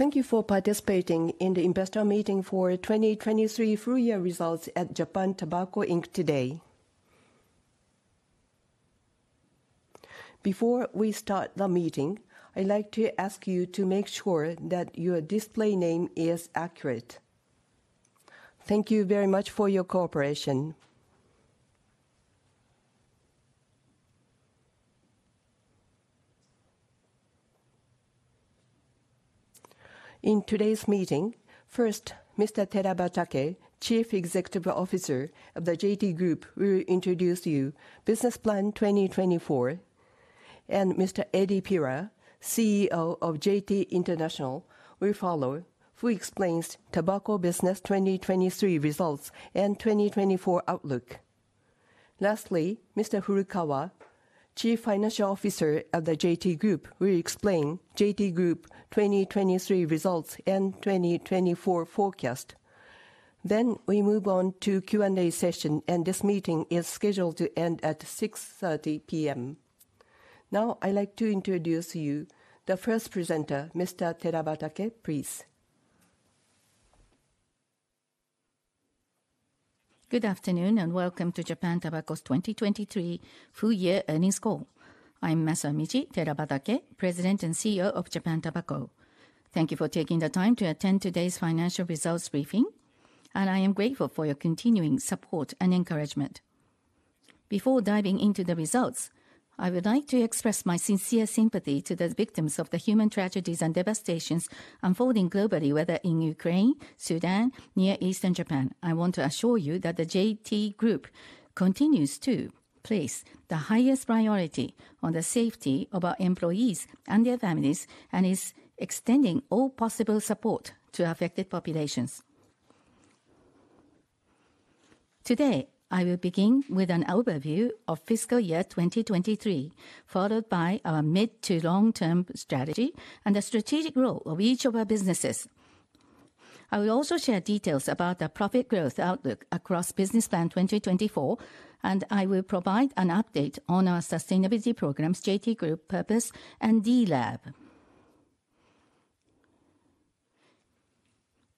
Thank you for participating in the investor meeting for 2023 full-year results at Japan Tobacco Inc. today. Before we start the meeting, I'd like to ask you to make sure that your display name is accurate. Thank you very much for your cooperation. In today's meeting, first, Mr. Terabatake, Chief Executive Officer of the JT Group, will introduce you, Business Plan 2024. And Mr. Eddy Pirard, CEO of JT International, will follow, who explains Tobacco Business 2023 results and 2024 outlook. Lastly, Mr. Furukawa, Chief Financial Officer of the JT Group, will explain JT Group 2023 results and 2024 forecast. Then we move on to Q&A session, and this meeting is scheduled to end at 6:30 P.M. Now I'd like to introduce you, the first presenter, Mr. Terabatake, please. Good afternoon and welcome to Japan Tobacco's 2023 full-year earnings call. I'm Masamichi Terabatake, President and CEO of Japan Tobacco. Thank you for taking the time to attend today's financial results briefing, and I am grateful for your continuing support and encouragement. Before diving into the results, I would like to express my sincere sympathy to the victims of the human tragedies and devastations unfolding globally, whether in Ukraine, Sudan, or the Near East and Japan. I want to assure you that the JT Group continues to place the highest priority on the safety of our employees and their families, and is extending all possible support to affected populations. Today I will begin with an overview of fiscal year 2023, followed by our mid to long-term strategy and the strategic role of each of our businesses. I will also share details about the profit growth outlook across Business Plan 2024, and I will provide an update on our sustainability programs, JT Group Purpose, and D-Lab.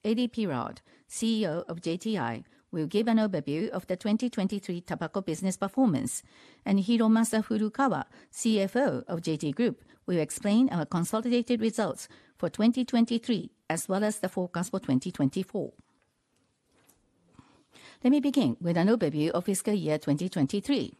Eddy Pirard, CEO of JTI, will give an overview of the 2023 tobacco business performance, and Hiromasa Furukawa, CFO of JT Group, will explain our consolidated results for 2023 as well as the forecast for 2024. Let me begin with an overview of fiscal year 2023.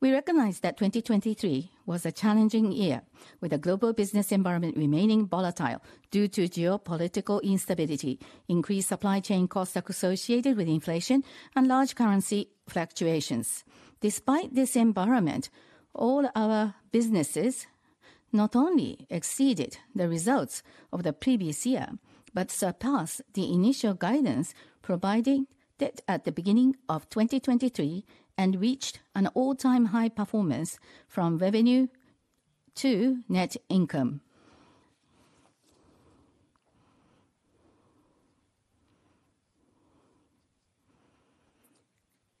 We recognize that 2023 was a challenging year, with the global business environment remaining volatile due to geopolitical instability, increased supply chain costs associated with inflation, and large currency fluctuations. Despite this environment, all our businesses not only exceeded the results of the previous year but surpassed the initial guidance provided at the beginning of 2023 and reached an all-time high performance from revenue to net income.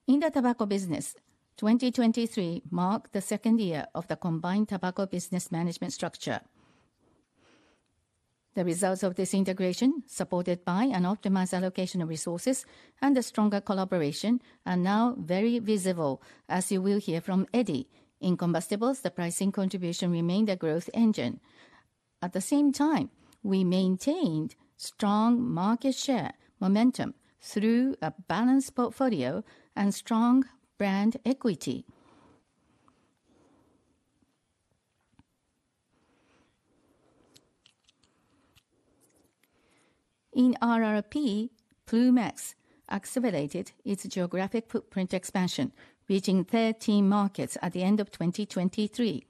In the tobacco business, 2023 marked the second year of the combined tobacco business management structure. The results of this integration, supported by an optimized allocation of resources and a stronger collaboration, are now very visible, as you will hear from Eddy. In combustibles, the pricing contribution remained a growth engine. At the same time, we maintained strong market share momentum through a balanced portfolio and strong brand equity. In RRP, Ploom X accelerated its geographic footprint expansion, reaching 13 markets at the end of 2023.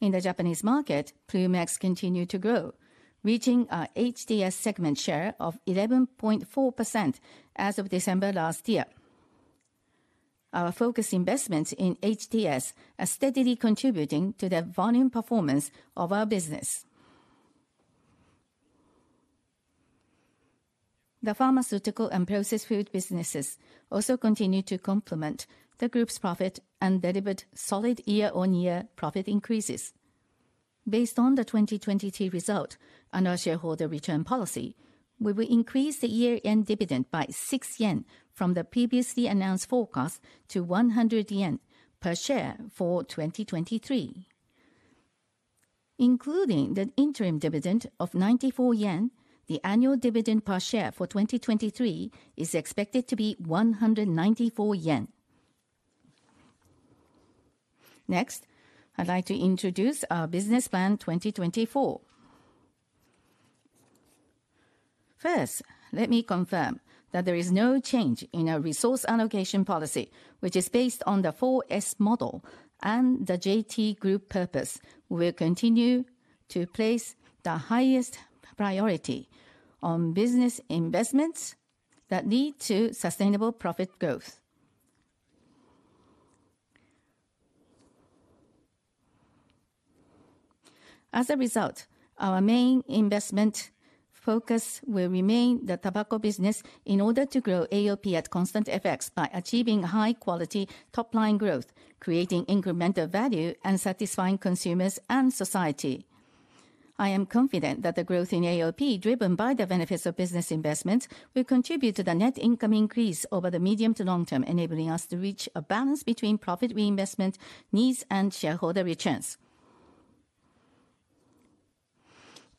In the Japanese market, Ploom X continued to grow, reaching our HTS segment share of 11.4% as of December last year. Our focused investments in HTS are steadily contributing to the volume performance of our business. The pharmaceutical and processed food businesses also continue to complement the group's profit and deliver solid year-on-year profit increases. Based on the 2023 result and our shareholder return policy, we will increase the year-end dividend by 6 yen from the previously announced forecast to 100 yen per share for 2023. Including the interim dividend of 94 yen, the annual dividend per share for 2023 is expected to be 194 yen. Next, I'd like to introduce our Business Plan 2024. First, let me confirm that there is no change in our resource allocation policy, which is based on the 4S Model and the JT Group Purpose. We will continue to place the highest priority on business investments that lead to sustainable profit growth. As a result, our main investment focus will remain the tobacco business in order to grow AOP at constant effects by achieving high-quality top-line growth, creating incremental value, and satisfying consumers and society. I am confident that the growth in AOP, driven by the benefits of business investments, will contribute to the net income increase over the medium- to long-term, enabling us to reach a balance between profit reinvestment needs and shareholder returns.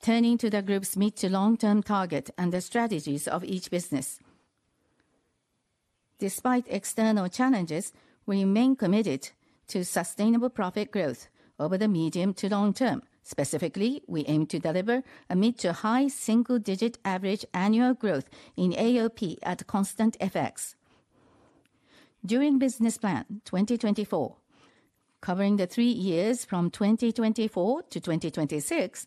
Turning to the group's mid- to long-term target and the strategies of each business. Despite external challenges, we remain committed to sustainable profit growth over the medium- to long-term. Specifically, we aim to deliver a mid- to high single-digit average annual growth in AOP at constant effects. During Business Plan 2024, covering the three years from 2024 to 2026,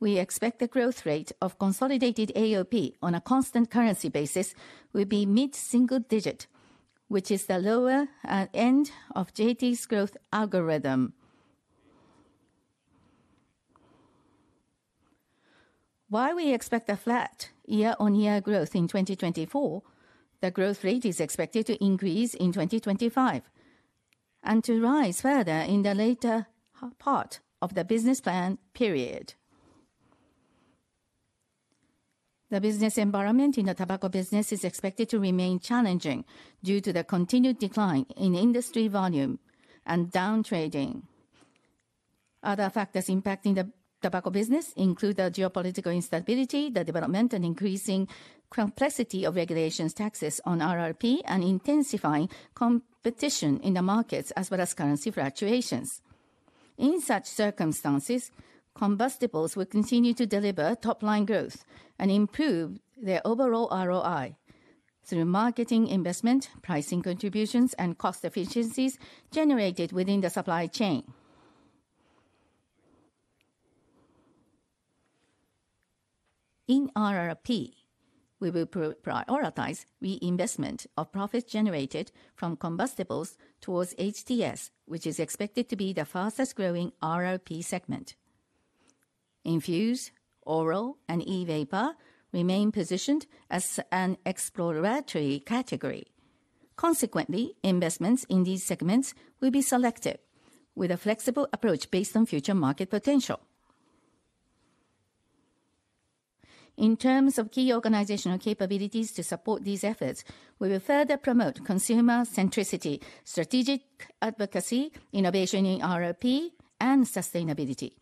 we expect the growth rate of consolidated AOP on a constant currency basis will be mid single digit, which is the lower end of JT's growth algorithm. While we expect a flat year-over-year growth in 2024, the growth rate is expected to increase in 2025 and to rise further in the later part of the business plan period. The business environment in the tobacco business is expected to remain challenging due to the continued decline in industry volume and down trading. Other factors impacting the tobacco business include the geopolitical instability, the development and increasing complexity of regulations, taxes on RRP, and intensifying competition in the markets as well as currency fluctuations. In such circumstances, combustibles will continue to deliver top-line growth and improve their overall ROI through marketing investment, pricing contributions, and cost efficiencies generated within the supply chain. In RRP, we will prioritize reinvestment of profits generated from combustibles towards HTS, which is expected to be the fastest growing RRP segment. Infused, oral, and E-vapor remain positioned as an exploratory category. Consequently, investments in these segments will be selective with a flexible approach based on future market potential. In terms of key organizational capabilities to support these efforts, we will further promote consumer centricity, strategic advocacy, innovation in RRP, and sustainability.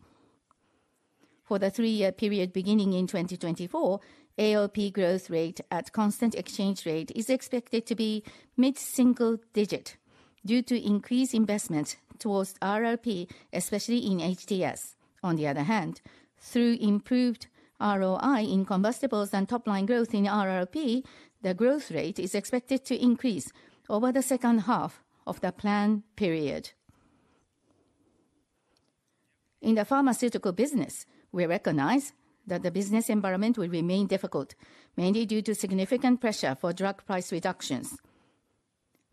For the three-year period beginning in 2024, AOP growth rate at constant exchange rate is expected to be mid single digit due to increased investments towards RRP, especially in HTS. On the other hand, through improved ROI in combustibles and top-line growth in RRP, the growth rate is expected to increase over the second half of the planned period. In the pharmaceutical business, we recognize that the business environment will remain difficult, mainly due to significant pressure for drug price reductions.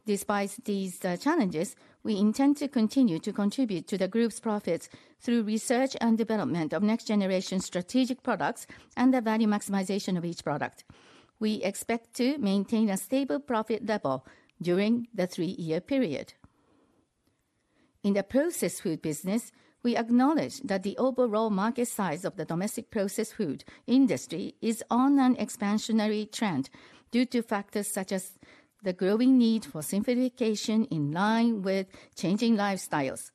Despite these challenges, we intend to continue to contribute to the group's profits through research and development of next-generation strategic products and the value maximization of each product. We expect to maintain a stable profit level during the three-year period. In the processed food business, we acknowledge that the overall market size of the domestic processed food industry is on an expansionary trend due to factors such as the growing need for simplification in line with changing lifestyles.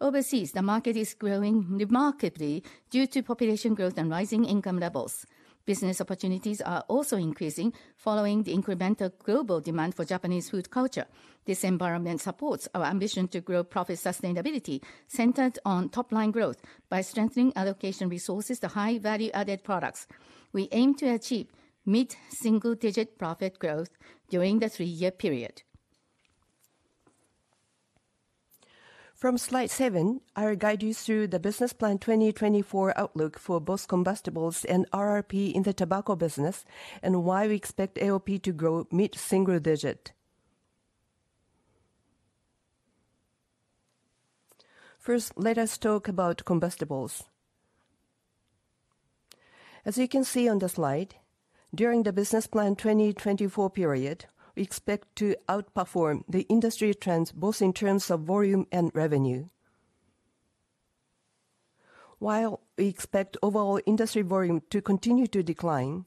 Overseas, the market is growing remarkably due to population growth and rising income levels. Business opportunities are also increasing following the incremental global demand for Japanese food culture. This environment supports our ambition to grow profit sustainability centered on top-line growth by strengthening allocation resources to high-value-added products. We aim to achieve mid single digit profit growth during the three-year period. From slide seven, I will guide you through the Business Plan 2024 outlook for both combustibles and RRP in the tobacco business and why we expect AOP to grow mid single digit. First, let us talk about combustibles. As you can see on the slide, during the Business Plan 2024 period, we expect to outperform the industry trends both in terms of volume and revenue. While we expect overall industry volume to continue to decline,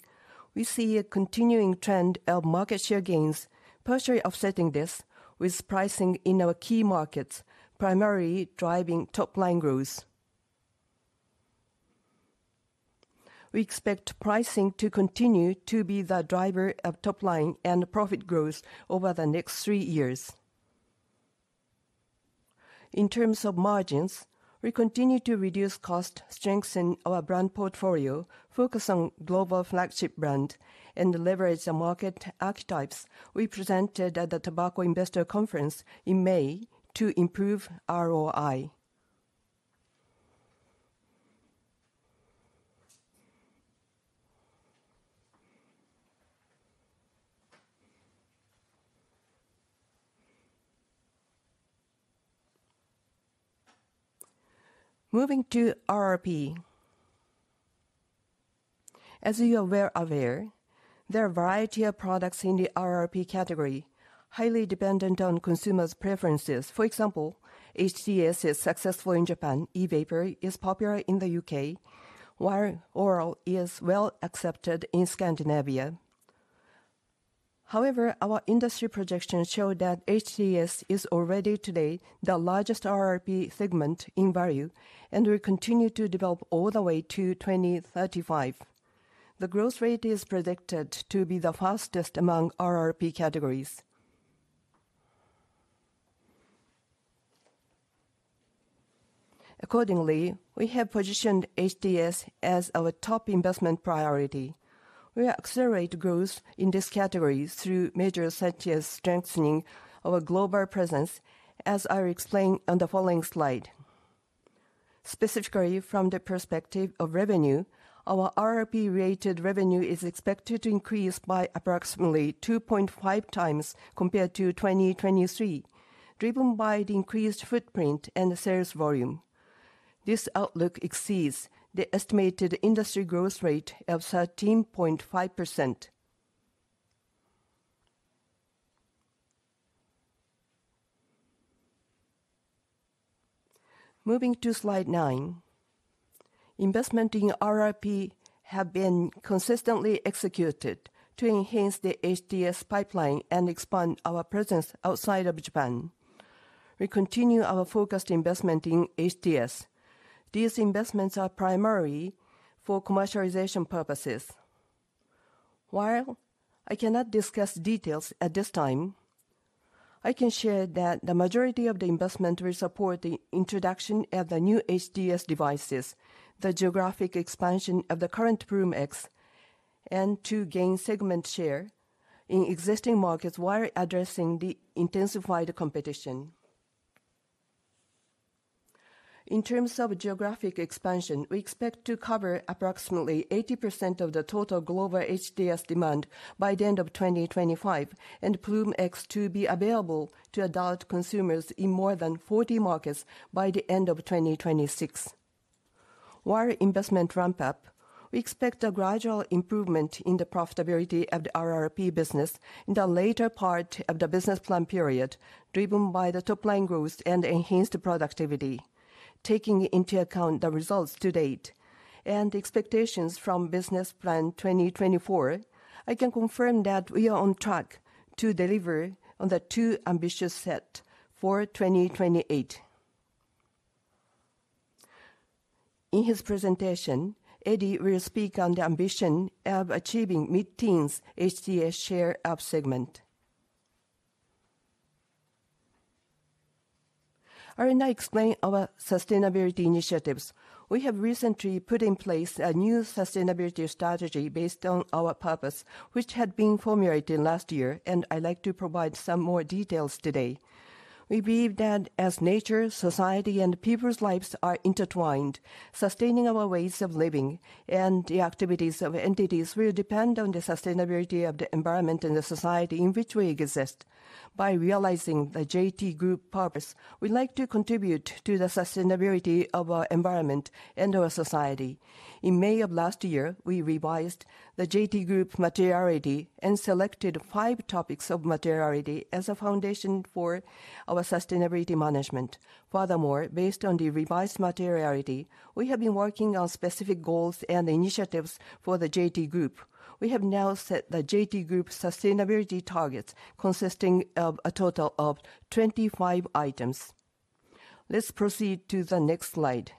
we see a continuing trend of market share gains partially offsetting this with pricing in our key markets primarily driving top-line growth. We expect pricing to continue to be the driver of top-line and profit growth over the next three years. In terms of margins, we continue to reduce cost, strengthen our brand portfolio, focus on global flagship brands, and leverage the market archetypes we presented at the Tobacco Investor Conference in May to improve ROI. Moving to RRP. As you are well aware, there are a variety of products in the RRP category highly dependent on consumers' preferences. For example, HTS is successful in Japan. E-vapor is popular in the U.K., while oral is well accepted in Scandinavia. However, our industry projections show that HTS is already today the largest RRP segment in value, and we continue to develop all the way to 2035. The growth rate is predicted to be the fastest among RRP categories. Accordingly, we have positioned HTS as our top investment priority. We will accelerate growth in this category through measures such as strengthening our global presence, as I will explain on the following slide. Specifically, from the perspective of revenue, our RRP-related revenue is expected to increase by approximately 2.5 times compared to 2023, driven by the increased footprint and sales volume. This outlook exceeds the estimated industry growth rate of 13.5%. Moving to slide 9. Investments in RRP have been consistently executed to enhance the HTS pipeline and expand our presence outside of Japan. We continue our focused investment in HTS. These investments are primarily for commercialization purposes. While I cannot discuss details at this time, I can share that the majority of the investment will support the introduction of the new HTS devices, the geographic expansion of the current Ploom X, and to gain segment share in existing markets while addressing the intensified competition. In terms of geographic expansion, we expect to cover approximately 80% of the total global HTS demand by the end of 2025, and Ploom X to be available to adult consumers in more than 40 markets by the end of 2026. While investment ramps up, we expect a gradual improvement in the profitability of the RRP business in the later part of the Business Plan period, driven by the top-line growth and enhanced productivity. Taking into account the results to date and expectations from Business Plan 2024, I can confirm that we are on track to deliver on the two ambitious targets for 2028. In his presentation, Eddy will speak on the ambition of achieving mid-teens HTS share of segment. I will now explain our sustainability initiatives. We have recently put in place a new sustainability strategy based on our purpose, which had been formulated last year, and I'd like to provide some more details today. We believe that as nature, society, and people's lives are intertwined, sustaining our ways of living and the activities of entities will depend on the sustainability of the environment and the society in which we exist. By realizing the JT Group Purpose, we'd like to contribute to the sustainability of our environment and our society. In May of last year, we revised the JT Group Materiality and selected five topics of materiality as a foundation for our sustainability management. Furthermore, based on the revised materiality, we have been working on specific goals and initiatives for the JT Group. We have now set the JT Group Sustainability Targets consisting of a total of 25 items. Let's proceed to the next slide.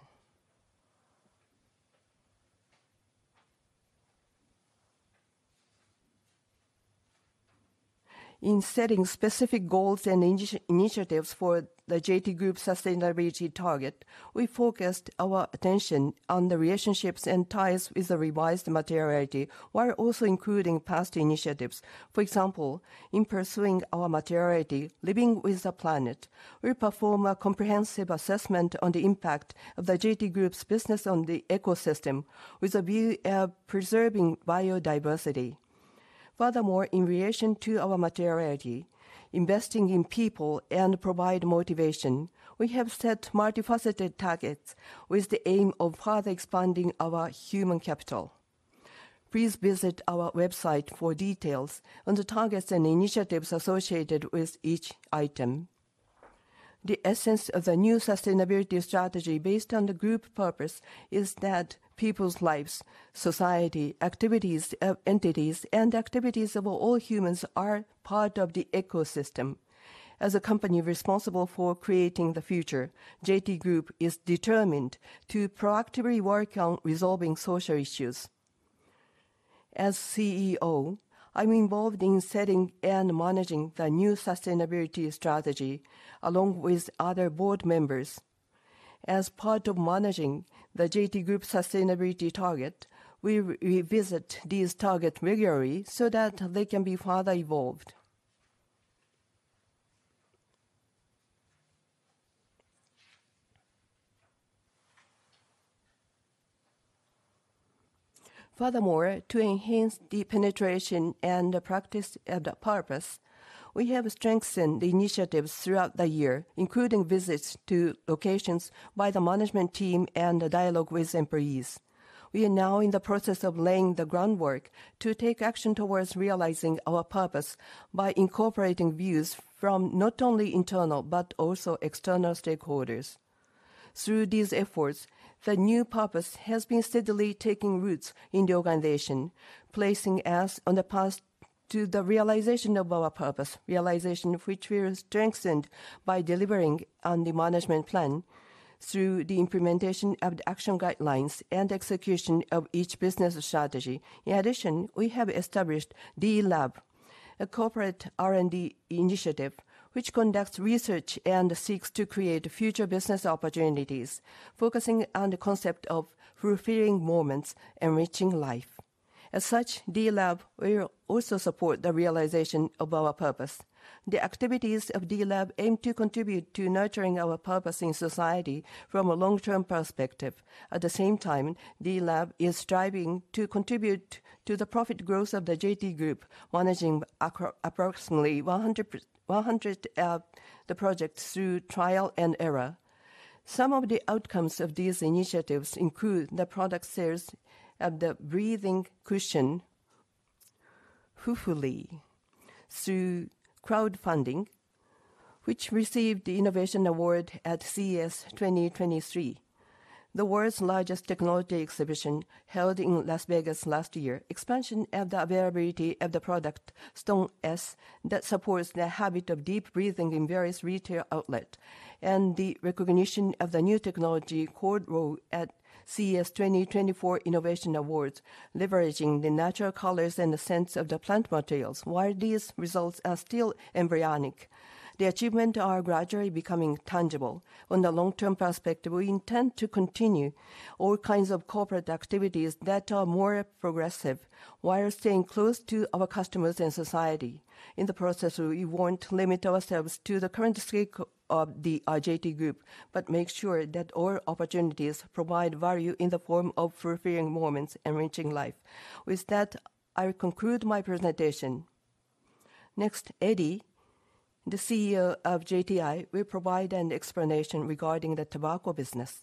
In setting specific goals and initiatives for the JT Group sustainability target, we focused our attention on the relationships and ties with the revised materiality while also including past initiatives. For example, in pursuing our materiality, Living with the Planet, we perform a comprehensive assessment on the impact of the JT Group's business on the ecosystem with a view of preserving biodiversity. Furthermore, in relation to our materiality, Investing in People and providing motivation, we have set multifaceted targets with the aim of further expanding our human capital. Please visit our website for details on the targets and initiatives associated with each item. The essence of the new sustainability strategy based on the group purpose is that people's lives, society, activities of entities, and activities of all humans are part of the ecosystem. As a company responsible for creating the future, JT Group is determined to proactively work on resolving social issues. As CEO, I'm involved in setting and managing the new sustainability strategy along with other board members. As part of managing the JT Group sustainability target, we revisit these targets regularly so that they can be further evolved. Furthermore, to enhance the penetration and the practice of the purpose, we have strengthened the initiatives throughout the year, including visits to locations by the management team and dialogue with employees. We are now in the process of laying the groundwork to take action towards realizing our purpose by incorporating views from not only internal but also external stakeholders. Through these efforts, the new purpose has been steadily taking roots in the organization, placing us on the path to the realization of our purpose, realization of which we are strengthened by delivering on the management plan through the implementation of action guidelines and execution of each business strategy. In addition, we have established D-Lab, a corporate R&D initiative which conducts research and seeks to create future business opportunities, focusing on the concept of fulfilling moments and enriching life. As such, D-Lab will also support the realization of our purpose. The activities of D-Lab aim to contribute to nurturing our purpose in society from a long-term perspective. At the same time, D-Lab is striving to contribute to the profit growth of the JT Group, managing approximately 100 projects through trial and error. Some of the outcomes of these initiatives include the product sales of the Breathing Cushion fufuly through crowdfunding, which received the Innovation Award at CES 2023, the world's largest technology exhibition held in Las Vegas last year, expansion of the availability of the product ston s that supports the habit of deep breathing in various retail outlets, and the recognition of the new technology iro at CES 2024 Innovation Awards, leveraging the natural colors and the scents of the plant materials, while these results are still embryonic. The achievements are gradually becoming tangible. On the long-term perspective, we intend to continue all kinds of corporate activities that are more progressive while staying close to our customers and society. In the process, we won't limit ourselves to the current stake of the JT Group but make sure that all opportunities provide value in the form of fulfilling moments and enriching life. With that, I will conclude my presentation. Next, Eddy, the CEO of JTI, will provide an explanation regarding the tobacco business.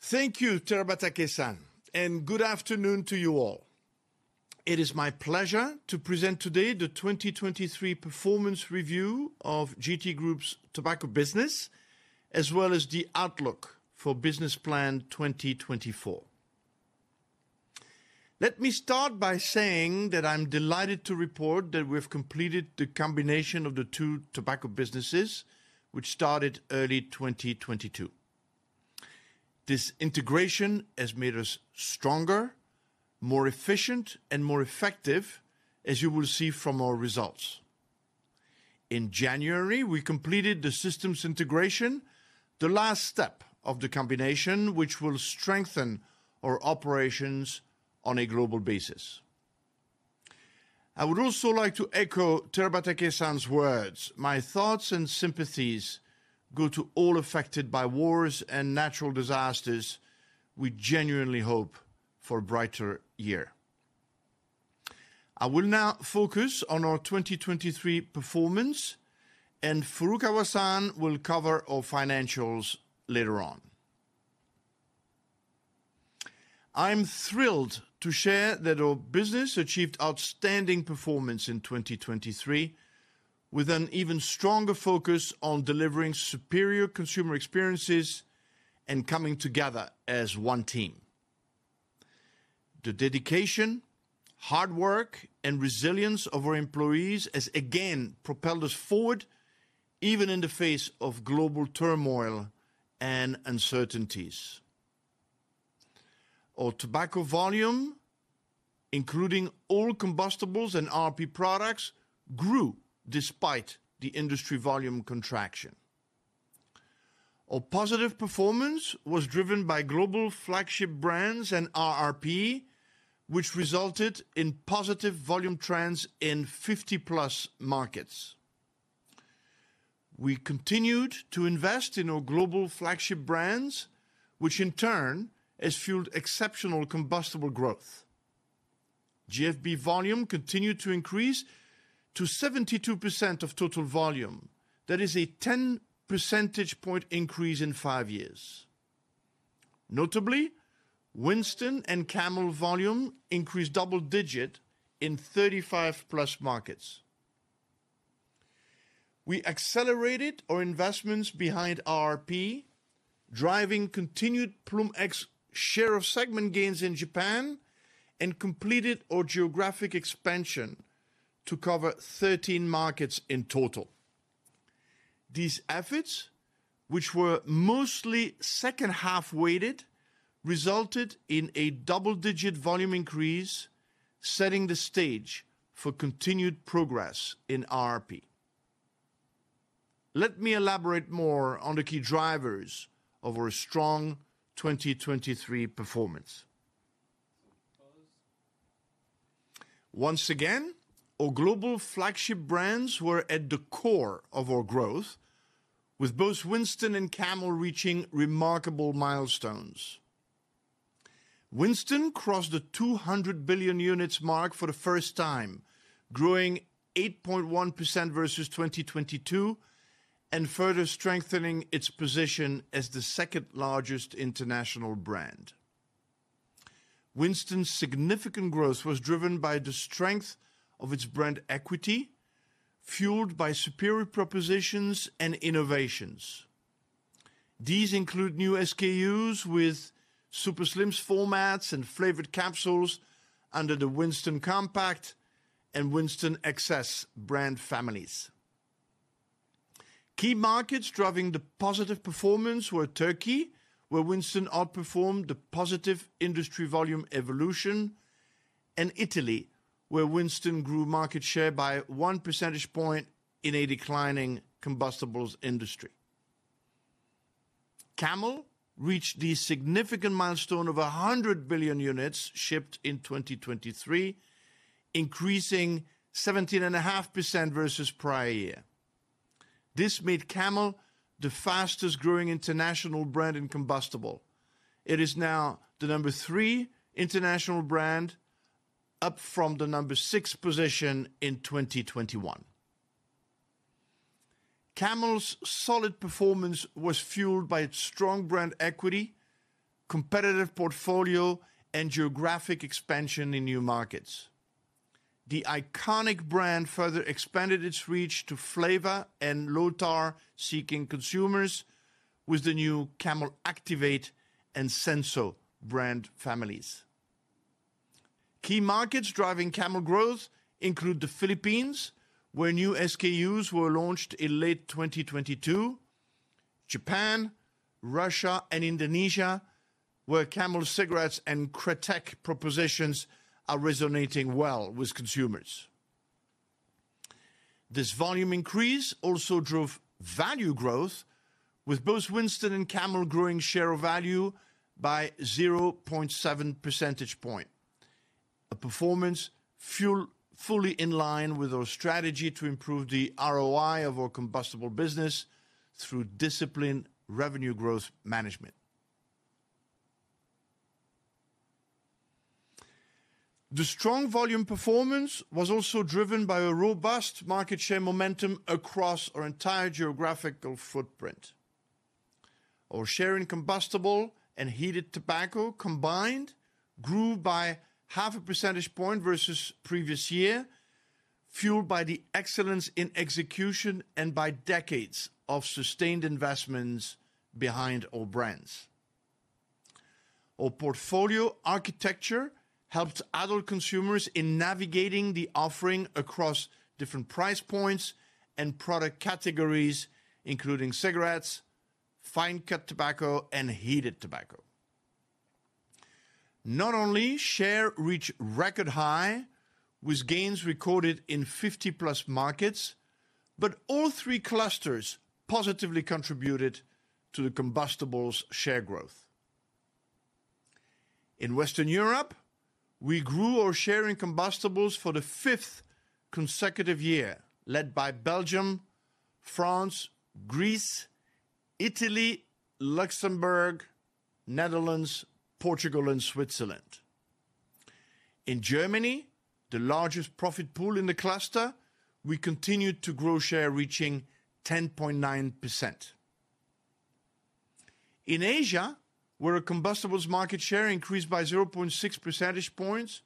Thank you, Terabatake-san, and good afternoon to you all. It is my pleasure to present today the 2023 performance review of JT Group's tobacco business as well as the outlook for Business Plan 2024. Let me start by saying that I'm delighted to report that we've completed the combination of the two tobacco businesses, which started early 2022. This integration has made us stronger, more efficient, and more effective, as you will see from our results. In January, we completed the systems integration, the last step of the combination, which will strengthen our operations on a global basis. I would also like to echo Terabatake-san's words, "My thoughts and sympathies go to all affected by wars and natural disasters. We genuinely hope for a brighter year." I will now focus on our 2023 performance, and Furukawa-san will cover our financials later on. I'm thrilled to share that our business achieved outstanding performance in 2023 with an even stronger focus on delivering superior consumer experiences and coming together as one team. The dedication, hard work, and resilience of our employees has again propelled us forward even in the face of global turmoil and uncertainties. Our tobacco volume, including all combustibles and RRP products, grew despite the industry volume contraction. Our positive performance was driven by global flagship brands and RRP, which resulted in positive volume trends in 50+ markets. We continued to invest in our global flagship brands, which in turn has fueled exceptional combustible growth. GFB volume continued to increase to 72% of total volume. That is a 10 percentage point increase in five years. Notably, Winston and Camel volume increased double-digit in 35+ markets. We accelerated our investments behind RRP, driving continued Ploom X share of segment gains in Japan, and completed our geographic expansion to cover 13 markets in total. These efforts, which were mostly second-half weighted, resulted in a double-digit volume increase, setting the stage for continued progress in RRP. Let me elaborate more on the key drivers of our strong 2023 performance. Once again, our global flagship brands were at the core of our growth, with both Winston and Camel reaching remarkable milestones. Winston crossed the 200 billion units mark for the first time, growing 8.1% versus 2022 and further strengthening its position as the second-largest international brand. Winston's significant growth was driven by the strength of its brand equity, fueled by superior propositions and innovations. These include new SKUs with super slim formats and flavored capsules under the Winston Compact and Winston XS brand families. Key markets driving the positive performance were Turkey, where Winston outperformed the positive industry volume evolution, and Italy, where Winston grew market share by one percentage point in a declining combustibles industry. Camel reached the significant milestone of 100 billion units shipped in 2023, increasing 17.5% versus prior year. This made Camel the fastest-growing international brand in combustibles. It is now the number three international brand, up from the number six position in 2021. Camel's solid performance was fueled by its strong brand equity, competitive portfolio, and geographic expansion in new markets. The iconic brand further expanded its reach to flavor and low-tar seeking consumers with the new Camel Activate and Senso brand families. Key markets driving Camel growth include the Philippines, where new SKUs were launched in late 2022; Japan, Russia, and Indonesia, where Camel cigarettes and Kretek propositions are resonating well with consumers. This volume increase also drove value growth, with both Winston and Camel growing share of value by 0.7 percentage point, a performance fully in line with our strategy to improve the ROI of our combustible business through disciplined revenue growth management. The strong volume performance was also driven by a robust market share momentum across our entire geographical footprint. Our share in combustible and heated tobacco combined grew by half a percentage point versus previous year, fueled by the excellence in execution and by decades of sustained investments behind our brands. Our portfolio architecture helped adult consumers in navigating the offering across different price points and product categories, including cigarettes, fine-cut tobacco, and heated tobacco. Not only share reached record high with gains recorded in 50+ markets, but all three clusters positively contributed to the combustibles share growth. In Western Europe, we grew our share in combustibles for the fifth consecutive year, led by Belgium, France, Greece, Italy, Luxembourg, Netherlands, Portugal, and Switzerland. In Germany, the largest profit pool in the cluster, we continued to grow share reaching 10.9%. In Asia, where our combustibles market share increased by 0.6 percentage points,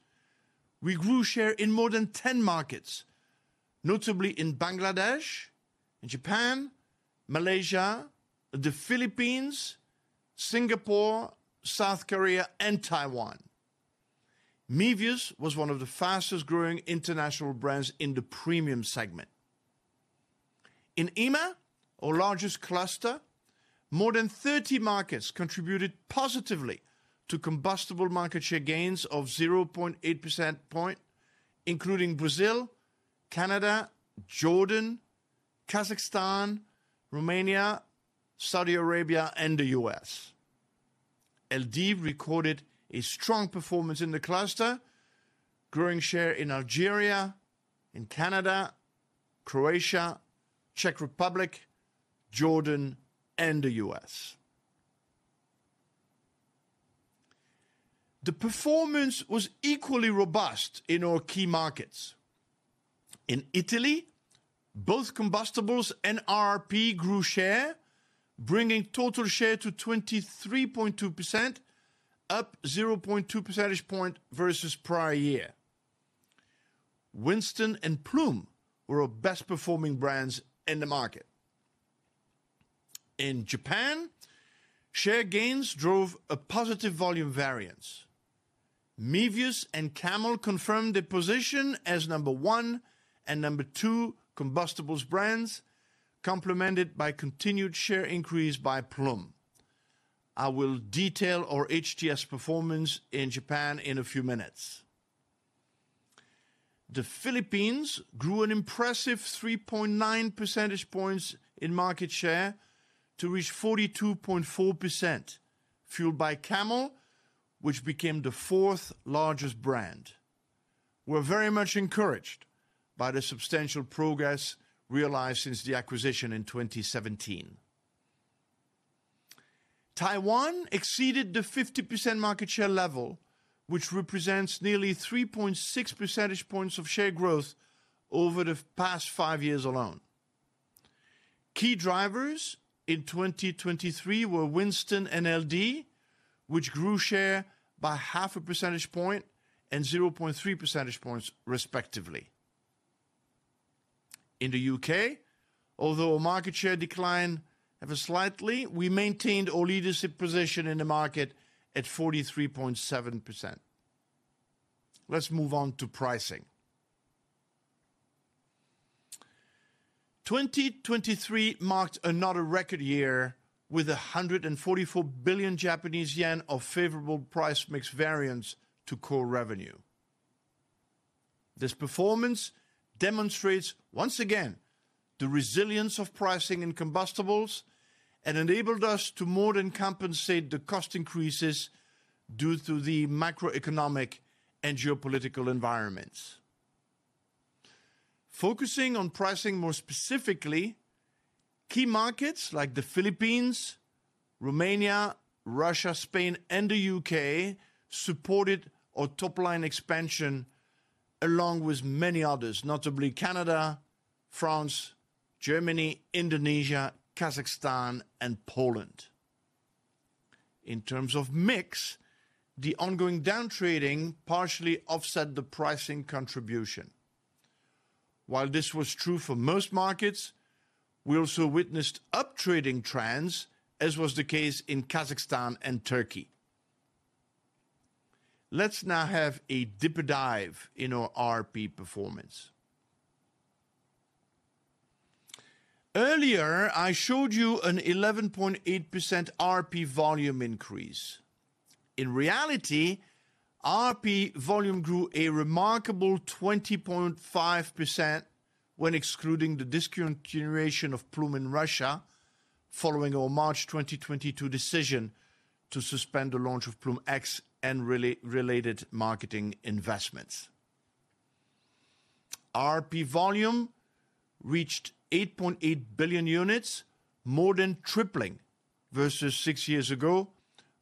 we grew share in more than 10 markets, notably in Bangladesh, Japan, Malaysia, the Philippines, Singapore, South Korea, and Taiwan. Mevius was one of the fastest-growing international brands in the premium segment. In IMA, our largest cluster, more than 30 markets contributed positively to combustible market share gains of 0.8 percentage point, including Brazil, Canada, Jordan, Kazakhstan, Romania, Saudi Arabia, and the U.S. LD recorded a strong performance in the cluster, growing share in Algeria, in Canada, Croatia, Czech Republic, Jordan, and the U.S. The performance was equally robust in our key markets. In Italy, both combustibles and RRP grew share, bringing total share to 23.2%, up 0.2 percentage points versus prior year. Winston and Ploom were our best-performing brands in the market. In Japan, share gains drove a positive volume variance. Mevius and Camel confirmed their position as number one and number two combustibles brands, complemented by continued share increase by Ploom. I will detail our HTS performance in Japan in a few minutes. The Philippines grew an impressive 3.9 percentage points in market share to reach 42.4%, fueled by Camel, which became the fourth-largest brand. We're very much encouraged by the substantial progress realized since the acquisition in 2017. Taiwan exceeded the 50% market share level, which represents nearly 3.6 percentage points of share growth over the past five years alone. Key drivers in 2023 were Winston and LD, which grew share by 0.5 percentage points and 0.3 percentage points, respectively. In the UK, although our market share declined ever so slightly, we maintained our leadership position in the market at 43.7%. Let's move on to pricing. 2023 marked another record year with 144 billion Japanese yen of favorable price mix variance to core revenue. This performance demonstrates, once again, the resilience of pricing in combustibles and enabled us to more than compensate the cost increases due to the macroeconomic and geopolitical environments. Focusing on pricing more specifically, key markets like the Philippines, Romania, Russia, Spain, and the UK supported our top-line expansion along with many others, notably Canada, France, Germany, Indonesia, Kazakhstan, and Poland. In terms of mix, the ongoing downtrading partially offset the pricing contribution. While this was true for most markets, we also witnessed uptrading trends, as was the case in Kazakhstan and Turkey. Let's now have a deeper dive in our RRP performance. Earlier, I showed you an 11.8% RRP volume increase. In reality, RRP volume grew a remarkable 20.5% when excluding the discontinuation of Ploom in Russia following our March 2022 decision to suspend the launch of Ploom X and related marketing investments. RRP volume reached 8.8 billion units, more than tripling versus six years ago,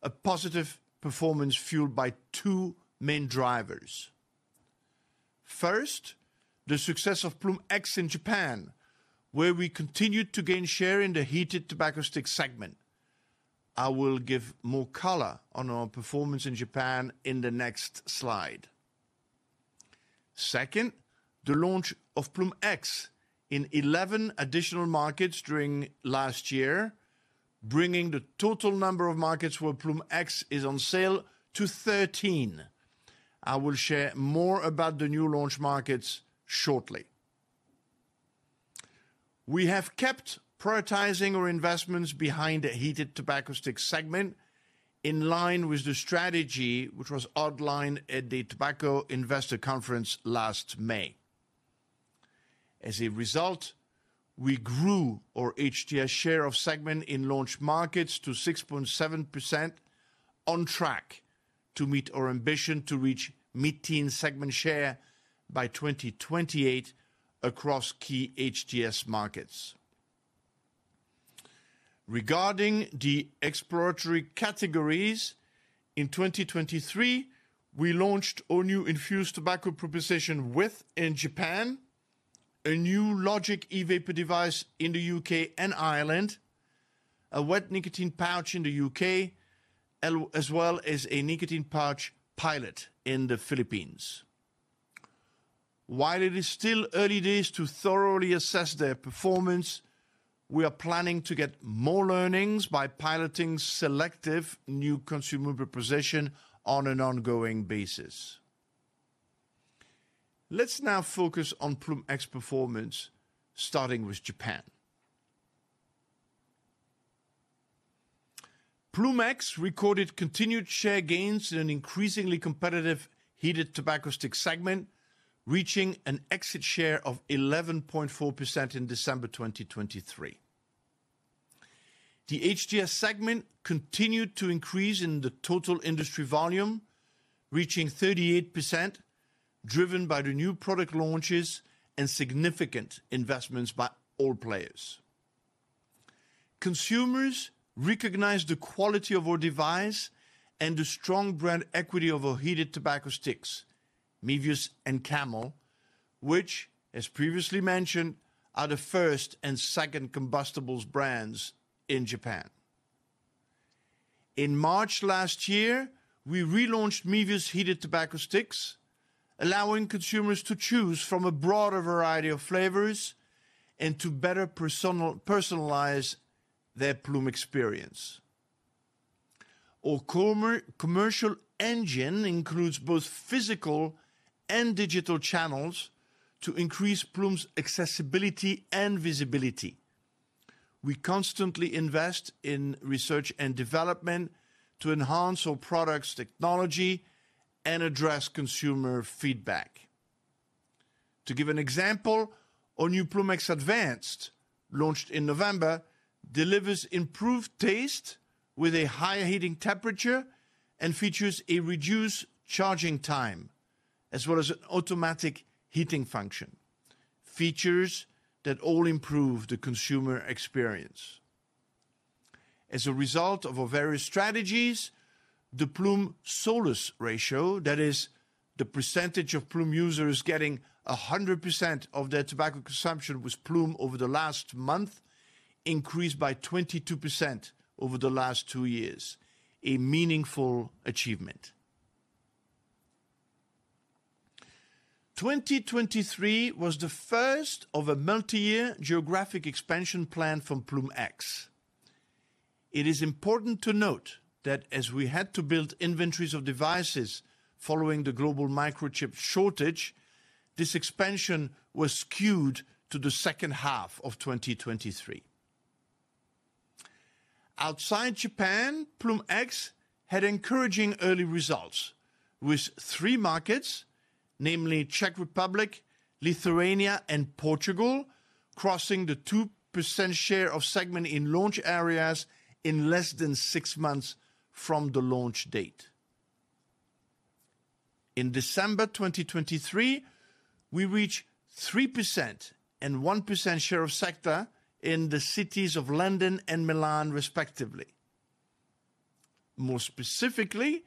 a positive performance fueled by two main drivers. First, the success of Ploom X in Japan, where we continued to gain share in the heated tobacco stick segment. I will give more color on our performance in Japan in the next slide. Second, the launch of Ploom X in 11 additional markets during last year, bringing the total number of markets where Ploom X is on sale to 13. I will share more about the new launch markets shortly. We have kept prioritizing our investments behind the heated tobacco stick segment in line with the strategy which was outlined at the Tobacco Investor Conference last May. As a result, we grew our HTS share of segment in launch markets to 6.7%, on track to meet our ambition to reach mid-teen segment share by 2028 across key HTS markets. Regarding the exploratory categories, in 2023, we launched our new infused tobacco proposition within Japan, a new Logic e-vapor device in the UK and Ireland, a wet nicotine pouch in the UK, as well as a nicotine pouch pilot in the Philippines. While it is still early days to thoroughly assess their performance, we are planning to get more learnings by piloting selective new consumer proposition on an ongoing basis. Let's now focus on Ploom X performance, starting with Japan. Ploom X recorded continued share gains in an increasingly competitive heated tobacco stick segment, reaching an exit share of 11.4% in December 2023. The HTS segment continued to increase in the total industry volume, reaching 38%, driven by the new product launches and significant investments by all players. Consumers recognized the quality of our device and the strong brand equity of our heated tobacco sticks, Mevius and Camel, which, as previously mentioned, are the first and second combustibles brands in Japan. In March last year, we relaunched Mevius heated tobacco sticks, allowing consumers to choose from a broader variety of flavors and to better personalize their Ploom experience. Our commercial engine includes both physical and digital channels to increase Ploom's accessibility and visibility. We constantly invest in research and development to enhance our product's technology and address consumer feedback. To give an example, our new Ploom X Advanced, launched in November, delivers improved taste with a higher heating temperature and features a reduced charging time, as well as an automatic heating function, features that all improve the consumer experience. As a result of our various strategies, the Ploom Solus ratio, that is, the percentage of Ploom users getting 100% of their tobacco consumption with Ploom over the last month, increased by 22% over the last two years, a meaningful achievement. 2023 was the first of a multi-year geographic expansion plan from Ploom X. It is important to note that as we had to build inventories of devices following the global microchip shortage, this expansion was skewed to the second half of 2023. Outside Japan, Ploom X had encouraging early results, with three markets, namely Czech Republic, Lithuania, and Portugal, crossing the 2% share of segment in launch areas in less than six months from the launch date. In December 2023, we reached 3% and 1% share of segment in the cities of London and Milan, respectively. More specifically,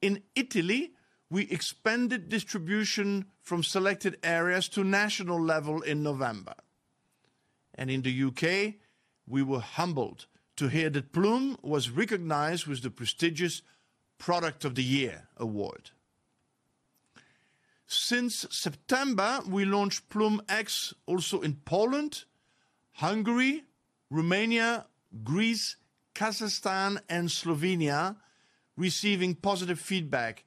in Italy, we expanded distribution from selected areas to national level in November. In the UK, we were humbled to hear that Ploom was recognized with the prestigious Product of the Year award. Since September, we launched Ploom X also in Poland, Hungary, Romania, Greece, Kazakhstan, and Slovenia, receiving positive feedback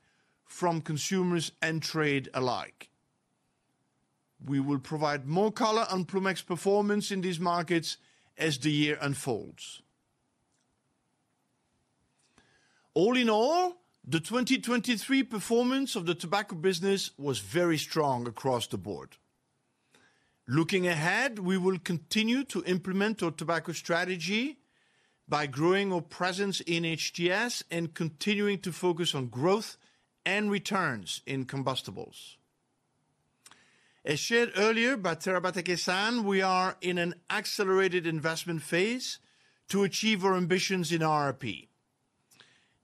from consumers and trade alike. We will provide more color on Ploom X performance in these markets as the year unfolds. All in all, the 2023 performance of the tobacco business was very strong across the board. Looking ahead, we will continue to implement our tobacco strategy by growing our presence in HTS and continuing to focus on growth and returns in combustibles. As shared earlier by Terabatake-san, we are in an accelerated investment phase to achieve our ambitions in RRP.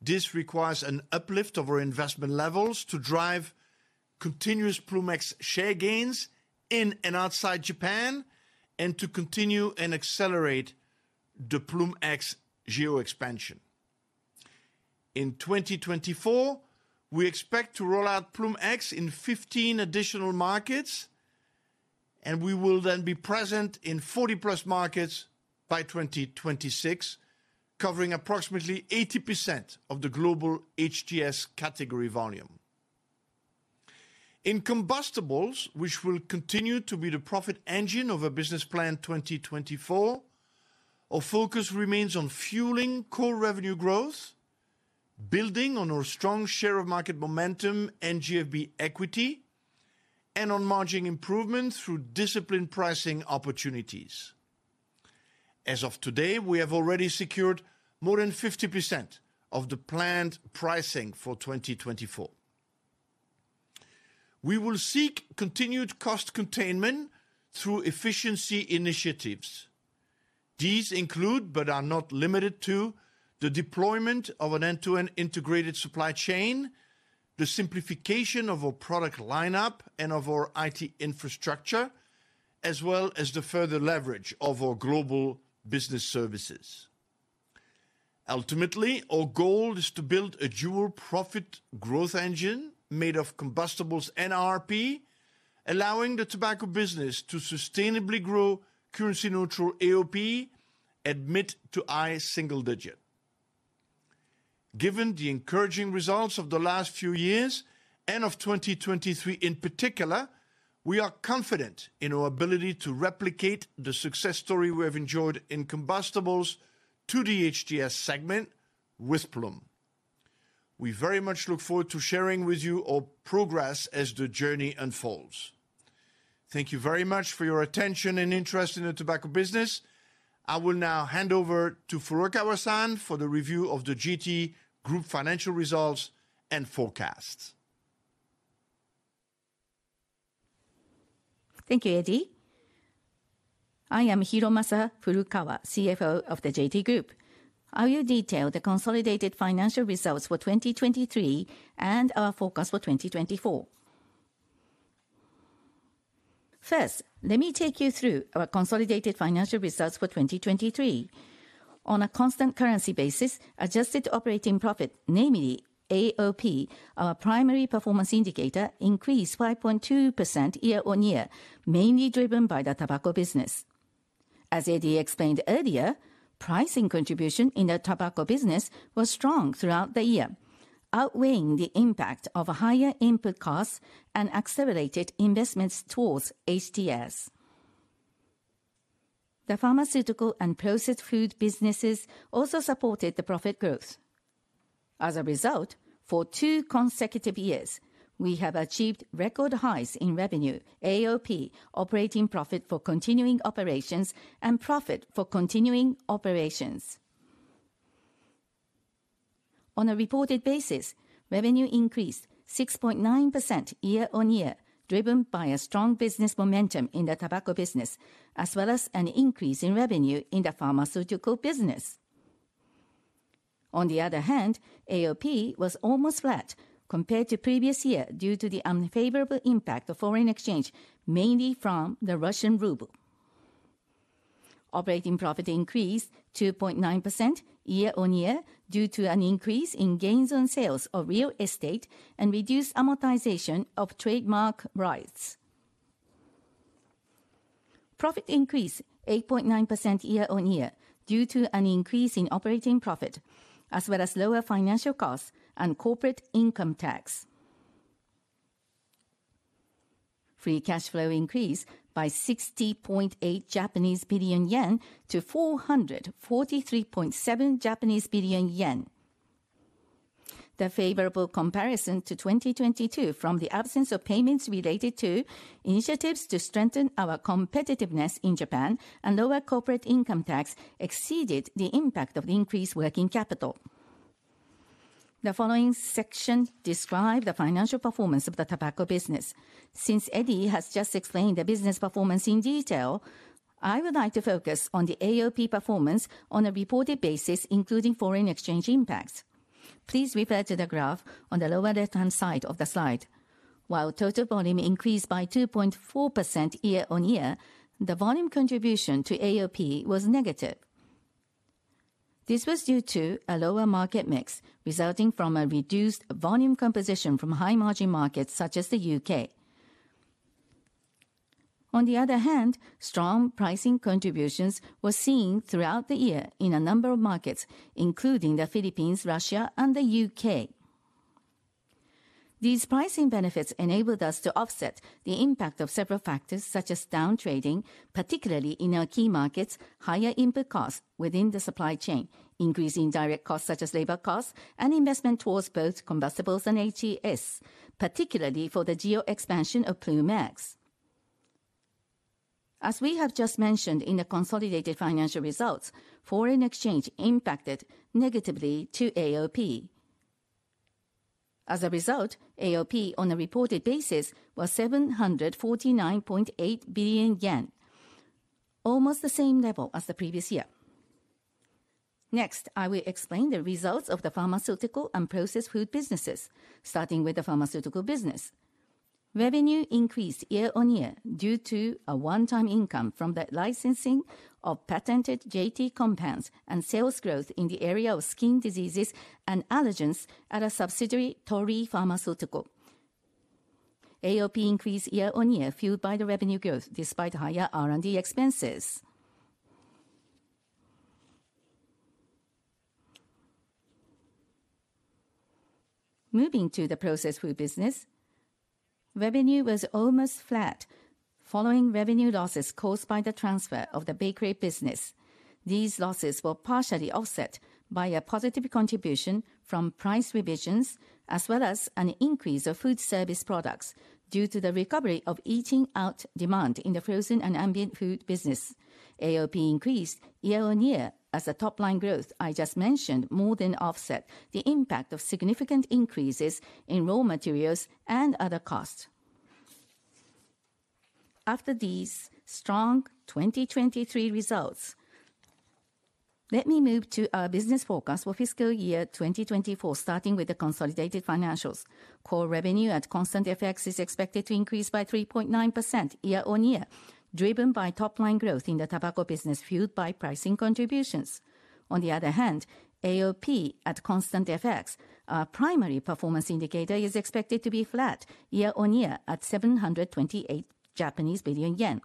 This requires an uplift of our investment levels to drive continuous Ploom X share gains in and outside Japan and to continue and accelerate the Ploom X geo-expansion. In 2024, we expect to roll out Ploom X in 15 additional markets, and we will then be present in 40+ markets by 2026, covering approximately 80% of the global HTS category volume. In combustibles, which will continue to be the profit engine of our Business Plan 2024, our focus remains on fueling Core Revenue growth, building on our strong share of market momentum and GFB equity, and on margin improvement through disciplined pricing opportunities. As of today, we have already secured more than 50% of the planned pricing for 2024. We will seek continued cost containment through efficiency initiatives. These include, but are not limited to, the deployment of an end-to-end integrated supply chain, the simplification of our product lineup and of our IT infrastructure, as well as the further leverage of our Global Business Services. Ultimately, our goal is to build a dual-profit growth engine made of combustibles and RRP, allowing the tobacco business to sustainably grow currency-neutral AOP at mid- to high-single-digit. Given the encouraging results of the last few years and of 2023 in particular, we are confident in our ability to replicate the success story we have enjoyed in combustibles to the HTS segment with Ploom. We very much look forward to sharing with you our progress as the journey unfolds. Thank you very much for your attention and interest in the tobacco business. I will now hand over to Furukawa-san for the review of the JT Group financial results and forecasts. Thank you, Eddy. I am Hiromasa Furukawa, CFO of the JT Group. I will detail the consolidated financial results for 2023 and our focus for 2024. First, let me take you through our consolidated financial results for 2023. On a constant currency basis, adjusted operating profit, namely AOP, our primary performance indicator, increased 5.2% year-on-year, mainly driven by the tobacco business. As Eddy explained earlier, pricing contribution in the tobacco business was strong throughout the year, outweighing the impact of higher input costs and accelerated investments towards HTS. The pharmaceutical and processed food businesses also supported the profit growth. As a result, for two consecutive years, we have achieved record highs in revenue, AOP, operating profit for continuing operations, and profit for continuing operations. On a reported basis, revenue increased 6.9% year-on-year, driven by a strong business momentum in the tobacco business, as well as an increase in revenue in the pharmaceutical business. On the other hand, AOP was almost flat compared to the previous year due to the unfavorable impact of foreign exchange, mainly from the Russian ruble. Operating profit increased 2.9% year-on-year due to an increase in gains on sales of real estate and reduced amortization of trademark rights. Profit increased 8.9% year-on-year due to an increase in operating profit, as well as lower financial costs and corporate income tax. Free cash flow increased by 60.8 billion yen to 443.7 billion yen. The favorable comparison to 2022 from the absence of payments related to initiatives to strengthen our competitiveness in Japan and lower corporate income tax exceeded the impact of the increased working capital. The following section describes the financial performance of the tobacco business. Since Eddie has just explained the business performance in detail, I would like to focus on the AOP performance on a reported basis, including foreign exchange impacts. Please refer to the graph on the lower left-hand side of the slide. While total volume increased by 2.4% year-on-year, the volume contribution to AOP was negative. This was due to a lower market mix, resulting from a reduced volume composition from high-margin markets such as the UK. On the other hand, strong pricing contributions were seen throughout the year in a number of markets, including the Philippines, Russia, and the UK. These pricing benefits enabled us to offset the impact of several factors such as downtrading, particularly in our key markets, higher input costs within the supply chain, increasing direct costs such as labor costs, and investment towards both combustibles and HTS, particularly for the geo-expansion of Ploom X. As we have just mentioned in the consolidated financial results, foreign exchange impacted negatively to AOP. As a result, AOP on a reported basis was 749.8 billion yen, almost the same level as the previous year. Next, I will explain the results of the pharmaceutical and processed food businesses, starting with the pharmaceutical business. Revenue increased year-on-year due to a one-time income from the licensing of patented JT compounds and sales growth in the area of skin diseases and allergens at a subsidiary Torii Pharmaceutical. AOP increased year-on-year fueled by the revenue growth despite higher R&D expenses. Moving to the processed food business, revenue was almost flat following revenue losses caused by the transfer of the bakery business. These losses were partially offset by a positive contribution from price revisions, as well as an increase of food service products due to the recovery of eating-out demand in the frozen and ambient food business. AOP increased year-on-year as the top-line growth I just mentioned more than offset the impact of significant increases in raw materials and other costs. After these strong 2023 results, let me move to our business focus for fiscal year 2024, starting with the consolidated financials. Core revenue at constant effects is expected to increase by 3.9% year-on-year, driven by top-line growth in the tobacco business fueled by pricing contributions. On the other hand, AOP at constant effects, our primary performance indicator is expected to be flat year on year at 728 billion yen.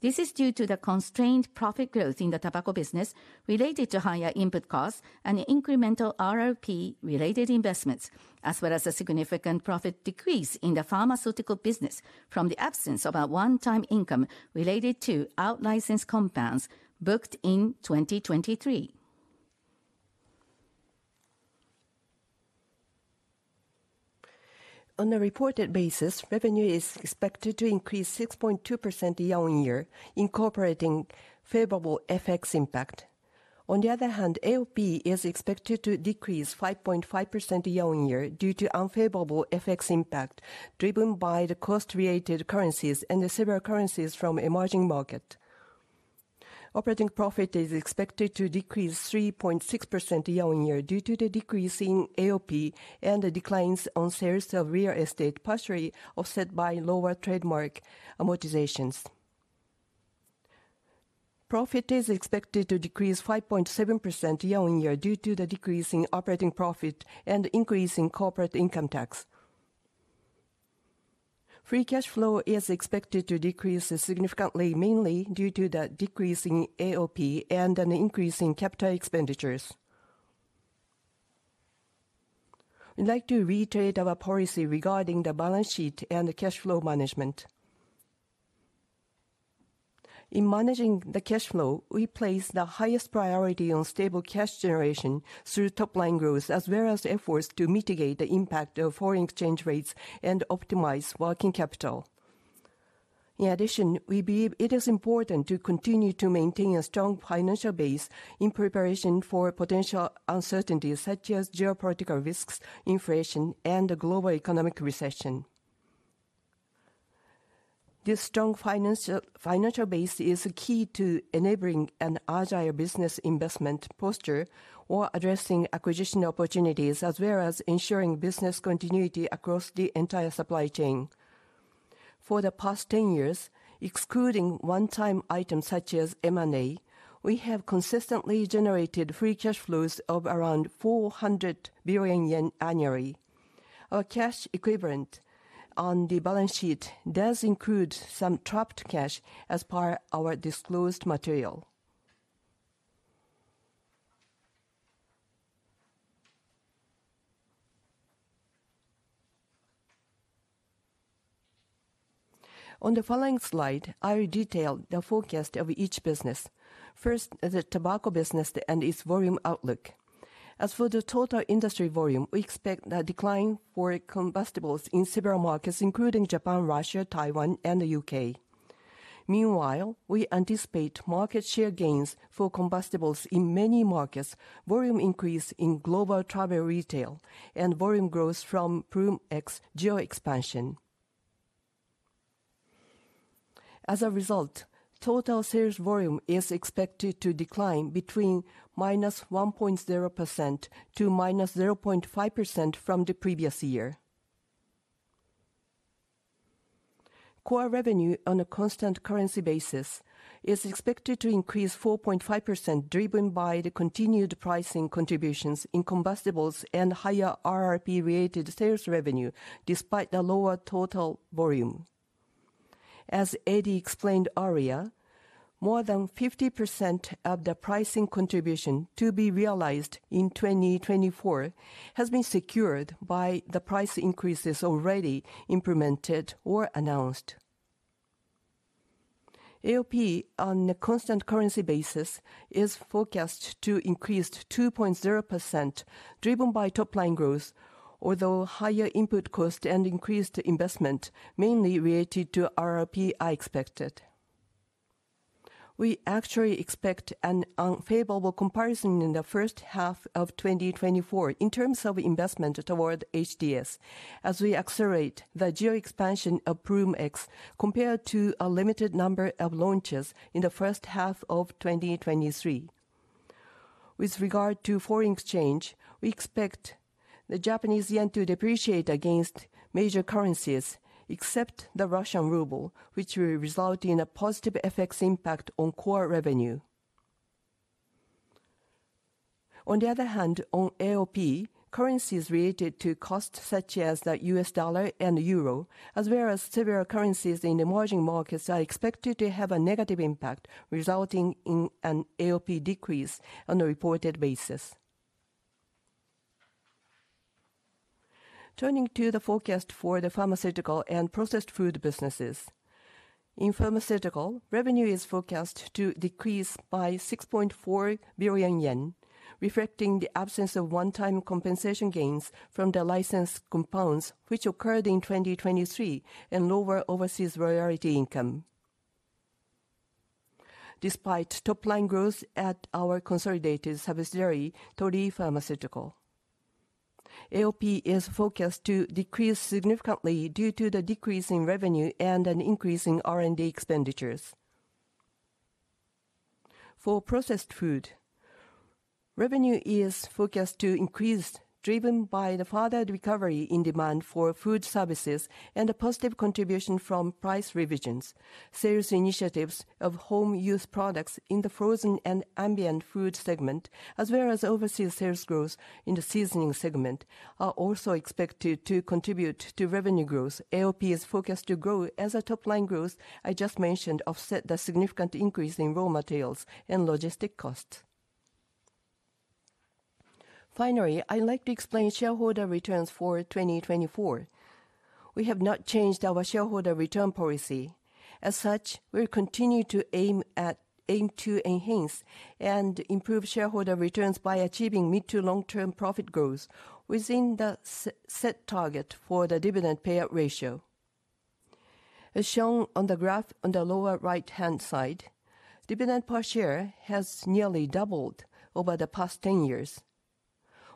This is due to the constrained profit growth in the tobacco business related to higher input costs and incremental RRP-related investments, as well as a significant profit decrease in the pharmaceutical business from the absence of a one-time income related to out-licensed compounds booked in 2023. On a reported basis, revenue is expected to increase 6.2% year-over-year, incorporating favorable FX impact. On the other hand, AOP is expected to decrease 5.5% year-over-year due to unfavorable FX impact driven by costs related to currencies and devaluation of several currencies from emerging markets. Operating profit is expected to decrease 3.6% year-over-year due to the decrease in AOP and declines in sales of real estate, partially offset by lower trademark amortizations. Profit is expected to decrease 5.7% year-over-year due to the decrease in operating profit and increase in corporate income tax. Free cash flow is expected to decrease significantly, mainly due to the decrease in AOP and an increase in capital expenditures. We'd like to reiterate our policy regarding the balance sheet and cash flow management. In managing the cash flow, we place the highest priority on stable cash generation through top-line growth, as well as efforts to mitigate the impact of foreign exchange rates and optimize working capital. In addition, we believe it is important to continue to maintain a strong financial base in preparation for potential uncertainties such as geopolitical risks, inflation, and a global economic recession. This strong financial base is key to enabling an agile business investment posture or addressing acquisition opportunities, as well as ensuring business continuity across the entire supply chain. For the past 10 years, excluding one-time items such as M&A, we have consistently generated free cash flows of around 400 billion yen annually. Our cash equivalent on the balance sheet does include some trapped cash as per our disclosed material. On the following slide, I will detail the forecast of each business. First, the tobacco business and its volume outlook. As for the total industry volume, we expect a decline for combustibles in several markets, including Japan, Russia, Taiwan, and the UK. Meanwhile, we anticipate market share gains for combustibles in many markets, volume increase in global travel retail, and volume growth from Ploom X geo-expansion. As a result, total sales volume is expected to decline between -1.0% to -0.5% from the previous year. Core Revenue on a constant currency basis is expected to increase 4.5% driven by the continued pricing contributions in combustibles and higher RRP-related sales revenue despite the lower total volume. As Eddy explained earlier, more than 50% of the pricing contribution to be realized in 2024 has been secured by the price increases already implemented or announced. AOP on a constant currency basis is forecast to increase 2.0% driven by top-line growth, although higher input costs and increased investment, mainly related to RRP, are expected. We actually expect an unfavorable comparison in the first half of 2024 in terms of investment toward HTS as we accelerate the geo expansion of Ploom X compared to a limited number of launches in the first half of 2023. With regard to foreign exchange, we expect the Japanese yen to depreciate against major currencies, except the Russian ruble, which will result in a positive effects impact on core revenue. On the other hand, on AOP, currencies related to costs such as the US dollar and euro, as well as several currencies in emerging markets, are expected to have a negative impact, resulting in an AOP decrease on a reported basis. Turning to the forecast for the pharmaceutical and processed food businesses. In pharmaceutical, revenue is forecast to decrease by 6.4 billion yen, reflecting the absence of one-time compensation gains from the licensed compounds, which occurred in 2023, and lower overseas royalty income. Despite top-line growth at our consolidated subsidiary, Torii Pharmaceutical, AOP is forecast to decrease significantly due to the decrease in revenue and an increase in R&D expenditures. For processed food, revenue is forecast to increase driven by the further recovery in demand for food services and a positive contribution from price revisions. Sales initiatives of home-use products in the frozen and ambient food segment, as well as overseas sales growth in the seasoning segment, are also expected to contribute to revenue growth. AOP is forecast to grow as the top-line growth I just mentioned offset the significant increase in raw materials and logistic costs. Finally, I'd like to explain shareholder returns for 2024. We have not changed our shareholder return policy. As such, we'll continue to aim to enhance and improve shareholder returns by achieving mid to long-term profit growth within the set target for the dividend payout ratio. As shown on the graph on the lower right-hand side, dividend per share has nearly doubled over the past 10 years.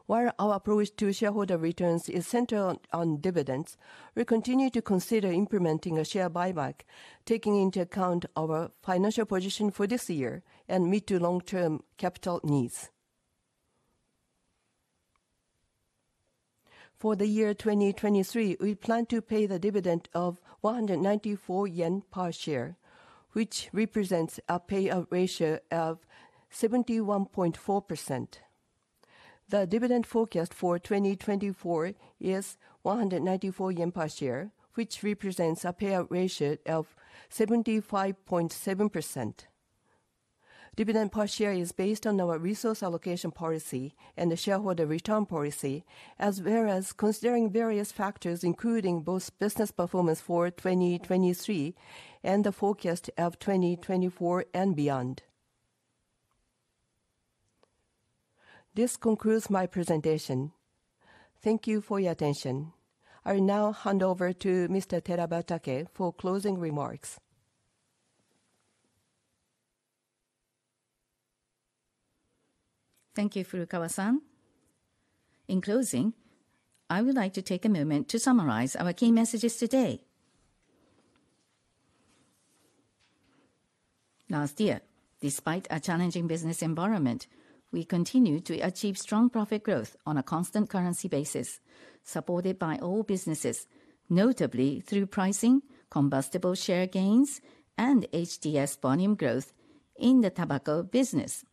While our approach to shareholder returns is centered on dividends, we continue to consider implementing a share buyback, taking into account our financial position for this year and mid to long-term capital needs. For the year 2023, we plan to pay the dividend of 194 yen per share, which represents a payout ratio of 71.4%. The dividend forecast for 2024 is 194 yen per share, which represents a payout ratio of 75.7%. Dividend per share is based on our resource allocation policy and the shareholder return policy, as well as considering various factors, including both business performance for 2023 and the forecast of 2024 and beyond. This concludes my presentation. Thank you for your attention. I will now hand over to Mr. Terabatake for closing remarks. Thank you, Furukawa-san. In closing, I would like to take a moment to summarize our key messages today. Last year, despite a challenging business environment, we continued to achieve strong profit growth on a constant currency basis, supported by all businesses, notably through pricing, combustibles share gains, and HTS volume growth in the tobacco business,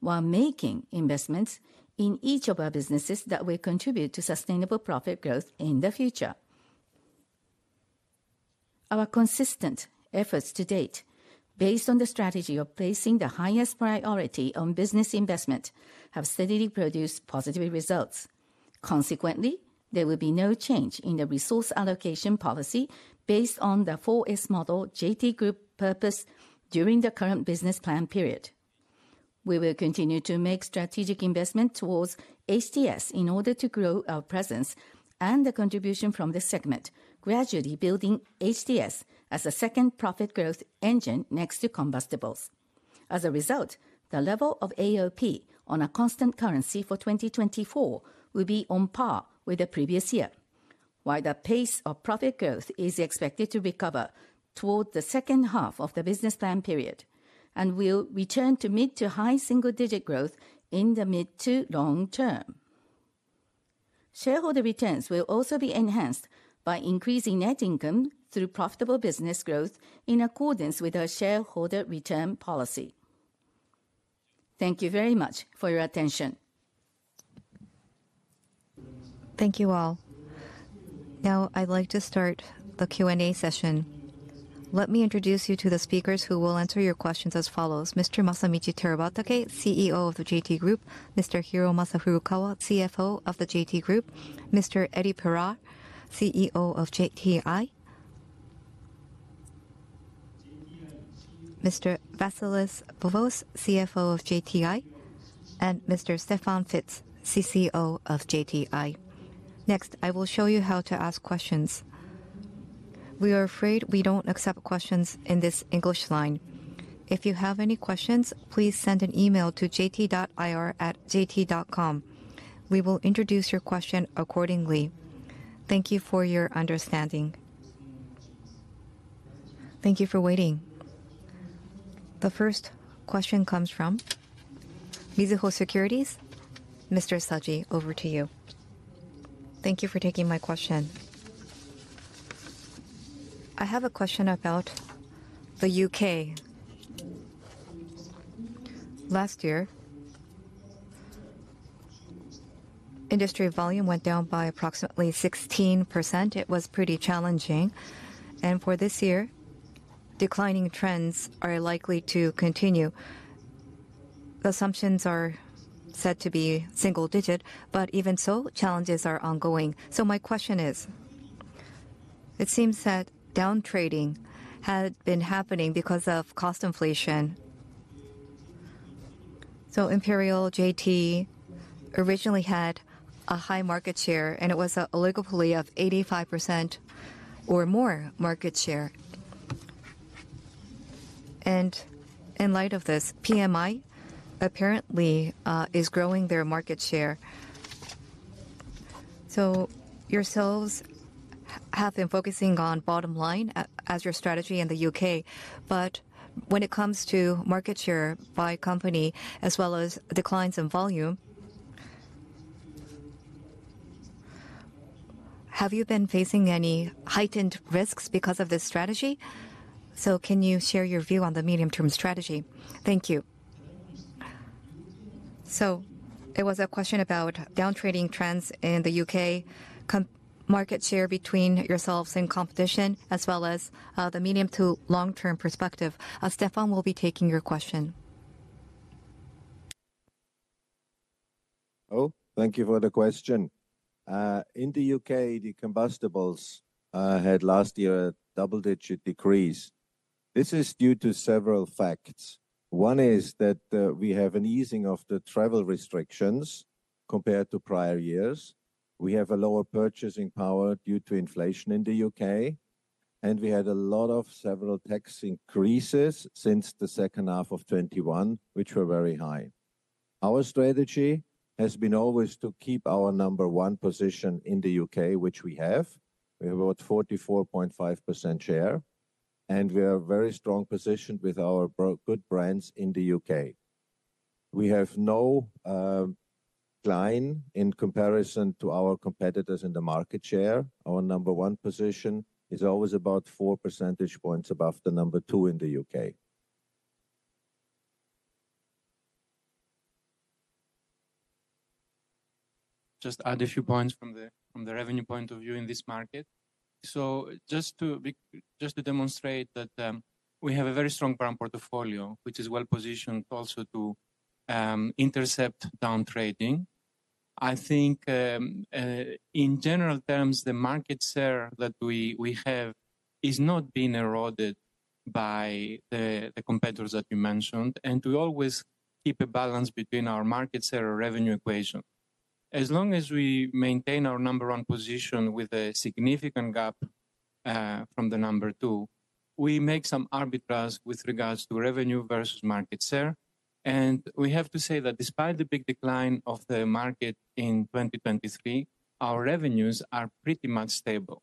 while making investments in each of our businesses that will contribute to sustainable profit growth in the future. Our consistent efforts to date, based on the strategy of placing the highest priority on business investment, have steadily produced positive results. Consequently, there will be no change in the resource allocation policy based on the 4S Model JT Group purpose during the current business plan period. We will continue to make strategic investment towards HTS in order to grow our presence and the contribution from the segment, gradually building HTS as a second profit growth engine next to combustibles. As a result, the level of AOP on a constant currency for 2024 will be on par with the previous year, while the pace of profit growth is expected to recover toward the second half of the business plan period and will return to mid to high single-digit growth in the mid to long term. Shareholder returns will also be enhanced by increasing net income through profitable business growth in accordance with our shareholder return policy. Thank you very much for your attention. Thank you all. Now, I'd like to start the Q&A session. Let me introduce you to the speakers who will answer your questions as follows. Mr. Masamichi Terabatake, CEO of the JT Group. Mr. Hiromasa Furukawa, CFO of the JT Group. Mr. Eddy Pirard, CEO of JTI. Mr. Vassilis Vovos, CFO of JTI. And Mr. Stefan Fitz, CCO of JTI. Next, I will show you how to ask questions. We are afraid we don't accept questions in this English line. If you have any questions, please send an email to jt.ir@jt.com. We will introduce your question accordingly. Thank you for your understanding. Thank you for waiting. The first question comes from Mizuho Securities. Mr. Saji, over to you. Thank you for taking my question. I have a question about the UK. Last year, industry volume went down by approximately 16%. It was pretty challenging. For this year, declining trends are likely to continue. Assumptions are said to be single-digit, but even so, challenges are ongoing. So my question is, it seems that downtrading had been happening because of cost inflation. So Imperial, JT originally had a high market share, and it was an oligopoly of 85% or more market share. And in light of this, PMI apparently is growing their market share. So your sales have been focusing on bottom line as your strategy in the UK. But when it comes to market share by company, as well as declines in volume, have you been facing any heightened risks because of this strategy? So can you share your view on the medium-term strategy? Thank you. So it was a question about downtrading trends in the UK, market share between yourselves and competition, as well as the medium to long-term perspective. Stefan will be taking your question. Hello. Thank you for the question. In the U.K., the combustibles had last year a double-digit decrease. This is due to several facts. One is that we have an easing of the travel restrictions compared to prior years. We have a lower purchasing power due to inflation in the U.K. We had a lot of several tax increases since the second half of 2021, which were very high. Our strategy has been always to keep our number one position in the U.K., which we have. We have about 44.5% share. We are very strong positioned with our good brands in the U.K. We have no decline in comparison to our competitors in the market share. Our number one position is always about 4 percentage points above the number two in the U.K. Just add a few points from the revenue point of view in this market. So just to demonstrate that we have a very strong brand portfolio, which is well positioned also to intercept downtrading. I think, in general terms, the market share that we have is not being eroded by the competitors that you mentioned. And we always keep a balance between our market share and revenue equation. As long as we maintain our number one position with a significant gap from the number two, we make some arbitrages with regards to revenue versus market share. And we have to say that despite the big decline of the market in 2023, our revenues are pretty much stable.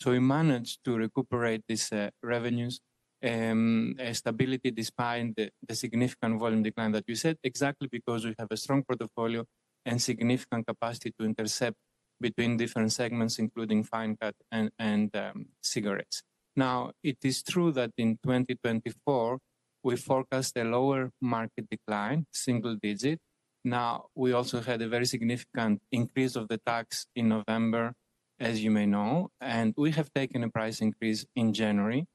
So we managed to recuperate these revenues and stability despite the significant volume decline that you said, exactly because we have a strong portfolio and significant capacity to intercept between different segments, including fine cut and cigarettes. Now, it is true that in 2024, we forecast a lower market decline, single-digit. Now, we also had a very significant increase of the tax in November, as you may know. And we have taken a price increase in January.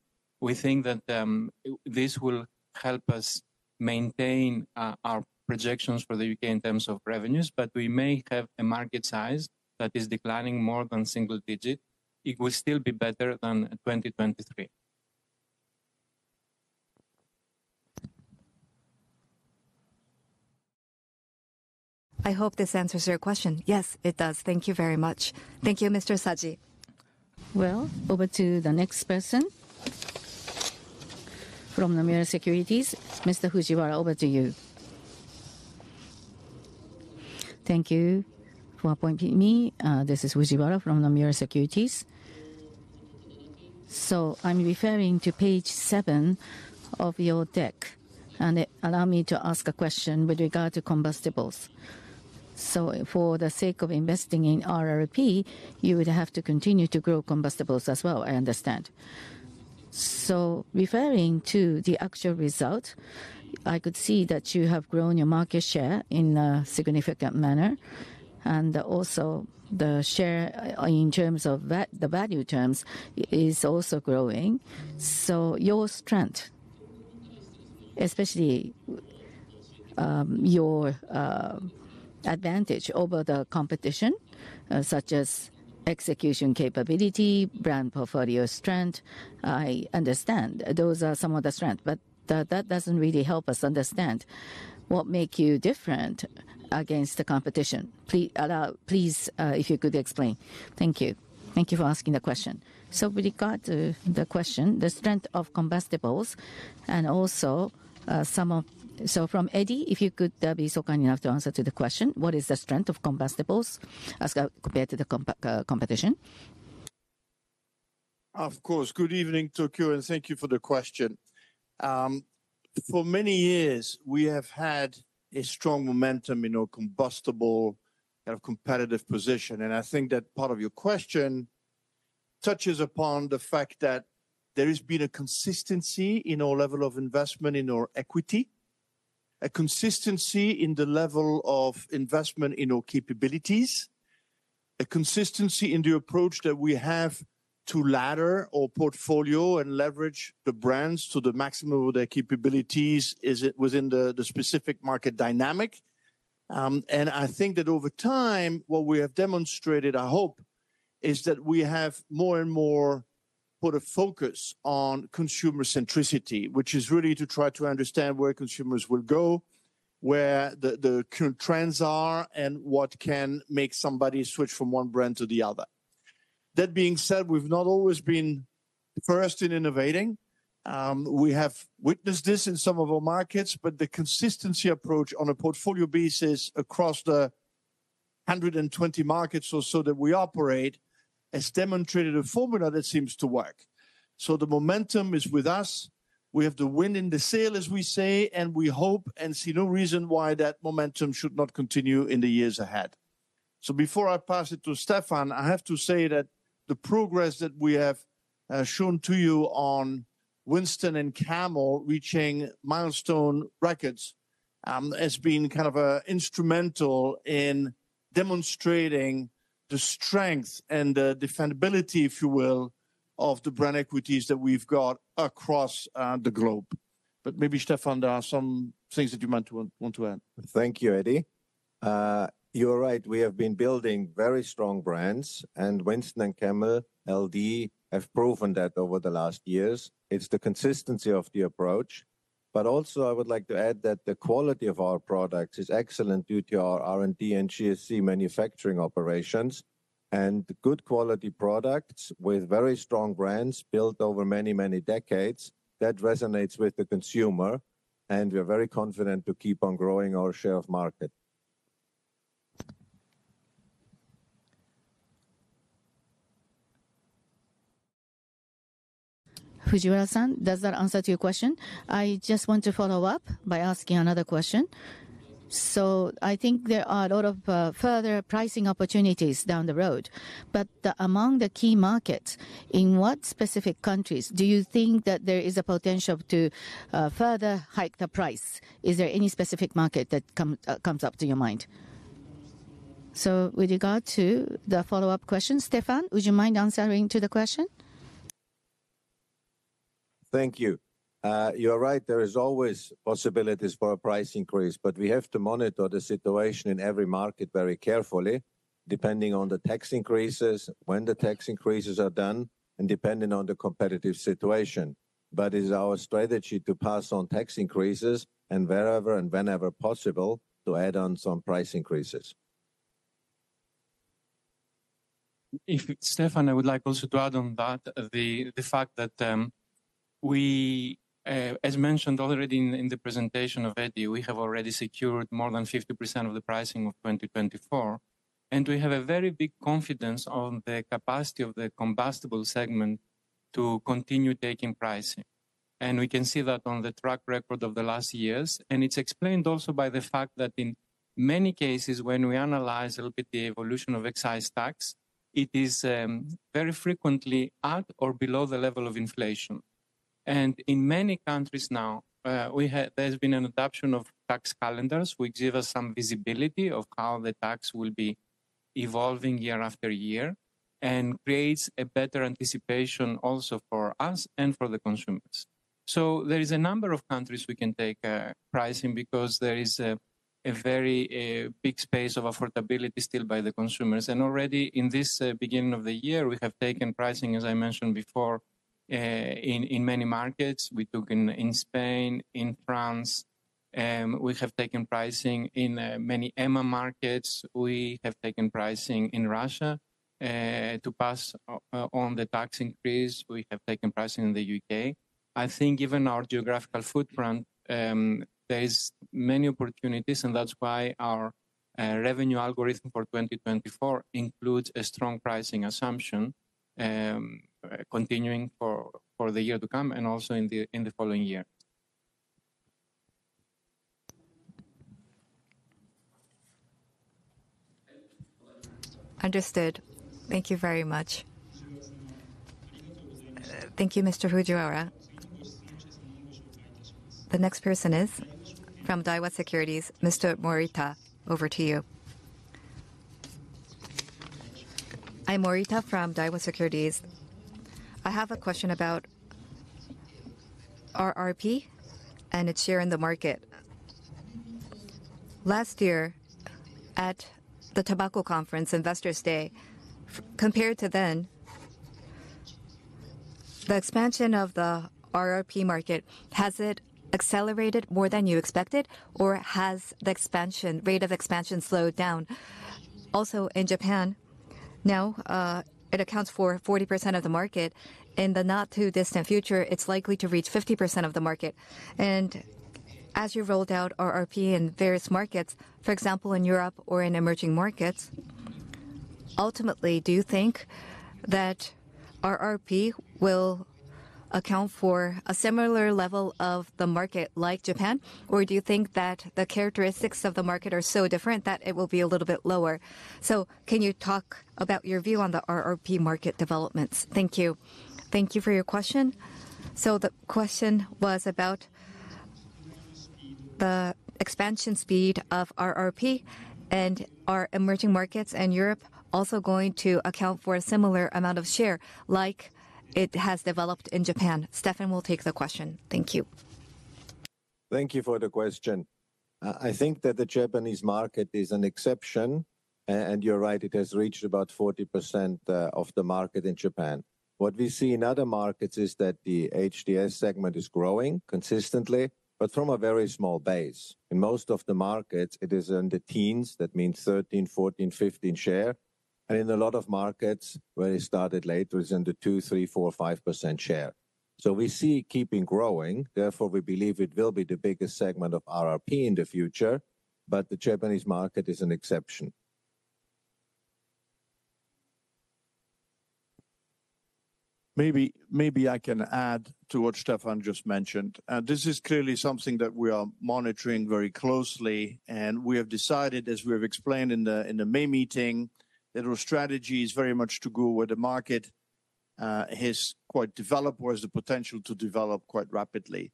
We think that this will help us maintain our projections for the UK in terms of revenues. But we may have a market size that is declining more than single-digit. It will still be better than 2023. I hope this answers your question. Yes, it does. Thank you very much. Thank you, Mr. Saji. Well, over to the next person from Nomura Securities. Mr. Fujiwara, over to you. Thank you for appointing me. This is Fujiwara from Nomura Securities. So I'm referring to page seven of your deck. Allow me to ask a question with regard to combustibles. For the sake of investing in RRP, you would have to continue to grow combustibles as well, I understand. Referring to the actual result, I could see that you have grown your market share in a significant manner. Also, the share in terms of the value terms is also growing. Your strength, especially your advantage over the competition, such as execution capability, brand portfolio strength, I understand. Those are some of the strengths. But that doesn't really help us understand what makes you different against the competition. Please, if you could explain. Thank you. Thank you for asking the question. So with regard to the question, the strength of combustibles and also so from Eddy, if you could be so kind enough to answer to the question, what is the strength of combustibles compared to the competition? Of course. Good evening, Tokyo. Thank you for the question. For many years, we have had a strong momentum in our combustibles competitive position. I think that part of your question touches upon the fact that there has been a consistency in our level of investment in our equity, a consistency in the level of investment in our capabilities, a consistency in the approach that we have to ladder our portfolio and leverage the brands to the maximum of their capabilities within the specific market dynamic. I think that over time, what we have demonstrated, I hope, is that we have more and more put a focus on consumer centricity, which is really to try to understand where consumers will go, where the current trends are, and what can make somebody switch from one brand to the other. That being said, we've not always been first in innovating. We have witnessed this in some of our markets. But the consistency approach on a portfolio basis across the 120 markets or so that we operate has demonstrated a formula that seems to work. So the momentum is with us. We have the wind in the sails, as we say. And we hope and see no reason why that momentum should not continue in the years ahead. So before I pass it to Stefan, I have to say that the progress that we have shown to you on Winston and Camel reaching milestone records has been kind of instrumental in demonstrating the strength and the defendability, if you will, of the brand equities that we've got across the globe. But maybe, Stefan, there are some things that you might want to add. Thank you, Eddy. You're right. We have been building very strong brands. Winston and Camel, LD, have proven that over the last years. It's the consistency of the approach. But also, I would like to add that the quality of our products is excellent due to our R&D and GSC manufacturing operations. Good quality products with very strong brands built over many, many decades resonate with the consumer. We are very confident to keep on growing our share of market. Fujiwara-san, does that answer to your question? I just want to follow up by asking another question. So I think there are a lot of further pricing opportunities down the road. But among the key markets, in what specific countries do you think that there is a potential to further hike the price? Is there any specific market that comes up to your mind? So with regard to the follow-up question, Stefan, would you mind answering to the question? Thank you. You're right. There is always possibilities for a price increase. But we have to monitor the situation in every market very carefully, depending on the tax increases, when the tax increases are done, and depending on the competitive situation. But it is our strategy to pass on tax increases, and wherever and whenever possible, to add on some price increases. Stefan, I would like also to add on that, the fact that we, as mentioned already in the presentation of Eddy, we have already secured more than 50% of the pricing of 2024. And we have a very big confidence on the capacity of the combustible segment to continue taking pricing. And we can see that on the track record of the last years. And it's explained also by the fact that, in many cases, when we analyze a little bit the evolution of excise tax, it is very frequently at or below the level of inflation. And in many countries now, there has been an adoption of tax calendars which give us some visibility of how the tax will be evolving year after year and creates a better anticipation also for us and for the consumers. There is a number of countries we can take pricing because there is a very big space of affordability still by the consumers. Already in this beginning of the year, we have taken pricing, as I mentioned before, in many markets. We took in Spain, in France. We have taken pricing in many EEMA markets. We have taken pricing in Russia. To pass on the tax increase, we have taken pricing in the UK. I think, given our geographical footprint, there are many opportunities. That's why our revenue algorithm for 2024 includes a strong pricing assumption continuing for the year to come and also in the following year. Understood. Thank you very much. Thank you, Mr. Fujiwara. The next person is from Daiwa Securities, Mr. Morita. Over to you. Hi, Morita from Daiwa Securities. I have a question about RRP and its share in the market. Last year, at the Tobacco Investor Conference, compared to then, the expansion of the RRP market, has it accelerated more than you expected? Or has the rate of expansion slowed down? Also, in Japan, now it accounts for 40% of the market. In the not too distant future, it's likely to reach 50% of the market. And as you rolled out RRP in various markets, for example, in Europe or in emerging markets, ultimately, do you think that RRP will account for a similar level of the market like Japan? Or do you think that the characteristics of the market are so different that it will be a little bit lower? So can you talk about your view on the RRP market developments? Thank you. Thank you for your question. So the question was about the expansion speed of RRP. And are emerging markets and Europe also going to account for a similar amount of share like it has developed in Japan? Stefan will take the question. Thank you. Thank you for the question. I think that the Japanese market is an exception. And you're right. It has reached about 40% of the market in Japan. What we see in other markets is that the HTS segment is growing consistently, but from a very small base. In most of the markets, it is in the teens. That means 13, 14, 15 share. And in a lot of markets, where it started later, it's in the 2, 3, 4, 5% share. So we see keeping growing. Therefore, we believe it will be the biggest segment of RRP in the future. But the Japanese market is an exception. Maybe I can add to what Stefan just mentioned. This is clearly something that we are monitoring very closely. We have decided, as we have explained in the May meeting, that our strategy is very much to go where the market has quite developed or has the potential to develop quite rapidly.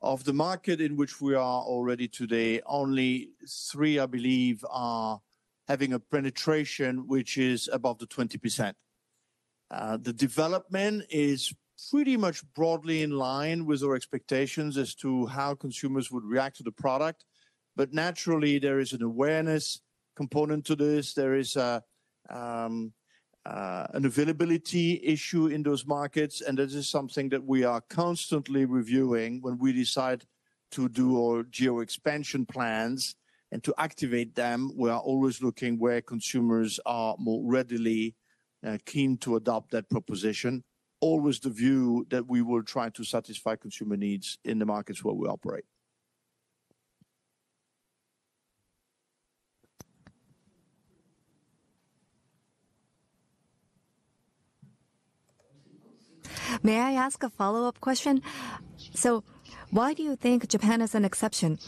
Of the markets in which we are already today, only three, I believe, are having a penetration which is above the 20%. The development is pretty much broadly in line with our expectations as to how consumers would react to the product. But naturally, there is an awareness component to this. There is an availability issue in those markets. And this is something that we are constantly reviewing when we decide to do our geo-expansion plans and to activate them. We are always looking where consumers are more readily keen to adopt that proposition, always the view that we will try to satisfy consumer needs in the markets where we operate. May I ask a follow-up question? So why do you think Japan is an exception?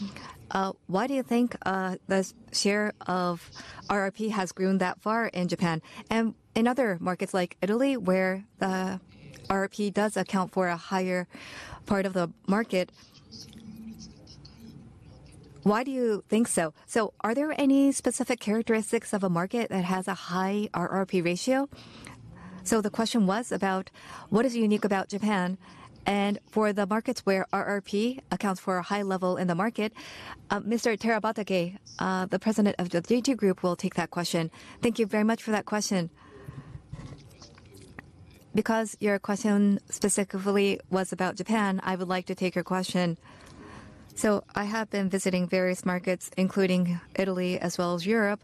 Why do you think the share of RRP has grown that far in Japan and in other markets like Italy, where the RRP does account for a higher part of the market? Why do you think so? So are there any specific characteristics of a market that has a high RRP ratio? So the question was; "about what is unique about Japan?" And for the markets where RRP accounts for a high level in the market, Mr. Terabatake, the President of the JT Group, will take that question. Thank you very much for that question. Because your question specifically was about Japan, I would like to take your question. So I have been visiting various markets, including Italy as well as Europe.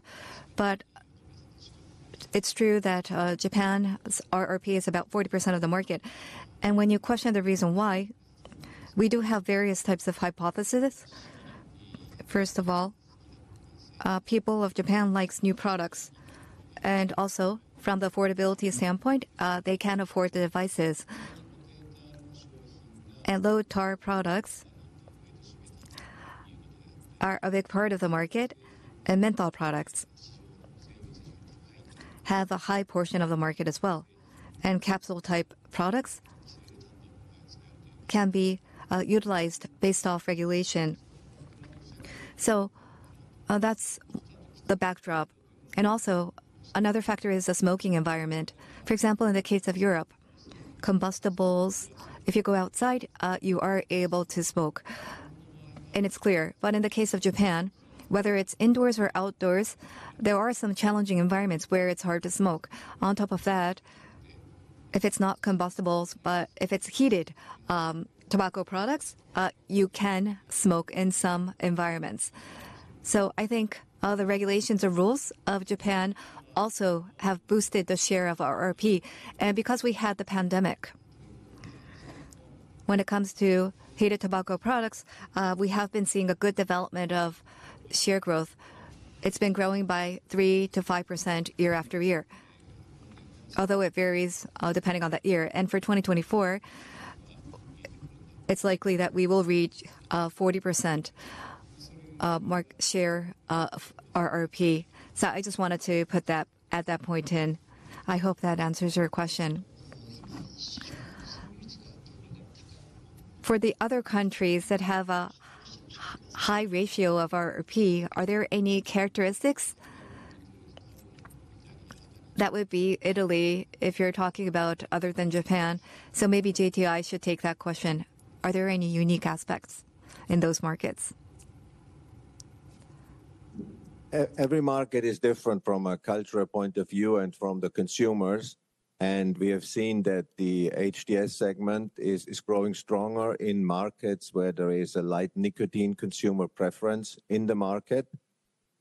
But it's true that Japan's RRP is about 40% of the market. And when you question the reason why, we do have various types of hypotheses. First of all, people of Japan like new products. And also, from the affordability standpoint, they can afford the devices. And low-tar products are a big part of the market. And menthol products have a high portion of the market as well. And capsule-type products can be utilized based off regulation. So that's the backdrop. And also, another factor is the smoking environment. For example, in the case of Europe, combustibles, if you go outside, you are able to smoke. And it's clear. But in the case of Japan, whether it's indoors or outdoors, there are some challenging environments where it's hard to smoke. On top of that, if it's not combustibles, but if it's heated tobacco products, you can smoke in some environments. I think the regulations or rules of Japan also have boosted the share of RRP. Because we had the pandemic, when it comes to heated tobacco products, we have been seeing a good development of share growth. It's been growing by 3%-5% year after year, although it varies depending on the year. For 2024, it's likely that we will reach 40% share of RRP. So I just wanted to put that at that point in. I hope that answers your question. For the other countries that have a high ratio of RRP, are there any characteristics that would be Italy if you're talking about other than Japan? So maybe JTI should take that question. Are there any unique aspects in those markets? Every market is different from a cultural point of view and from the consumers. We have seen that the HTS segment is growing stronger in markets where there is a light nicotine consumer preference in the market.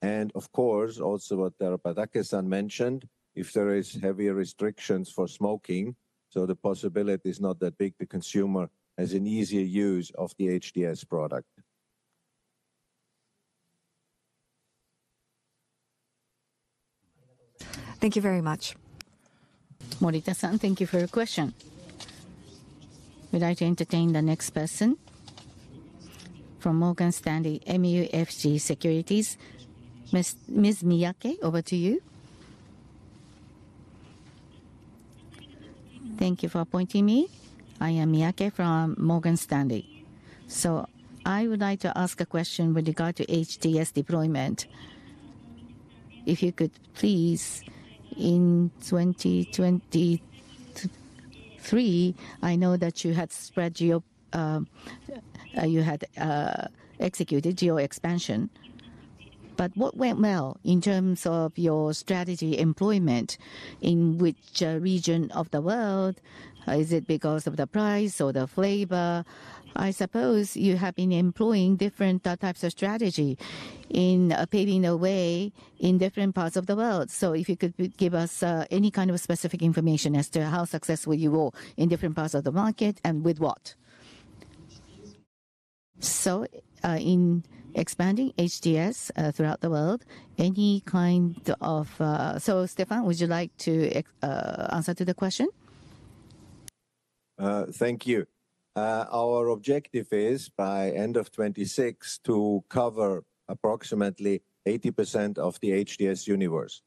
Of course, also what Terabatake-san mentioned, if there are heavier restrictions for smoking, so the possibility is not that big. The consumer has an easier use of the HTS product. Thank you very much. Morita-san, thank you for your question. Would I like to entertain the next person from Morgan Stanley MUFG Securities? Ms. Miyake, over to you. Thank you for appointing me. I am Miyake from Morgan Stanley. So I would like to ask a question with regard to HTS deployment. If you could, please, in 2023, I know that you had executed geo expansion. But what went well in terms of your strategy employment in which region of the world? Is it because of the price or the flavor? I suppose you have been employing different types of strategy in paving the way in different parts of the world. So if you could give us any kind of specific information as to how successful you were in different parts of the market and with what. So in expanding HTS throughout the world, Stefan, would you like to answer to the question? Thank you. Our objective is, by end of 2026, to cover approximately 80% of the HTS universe.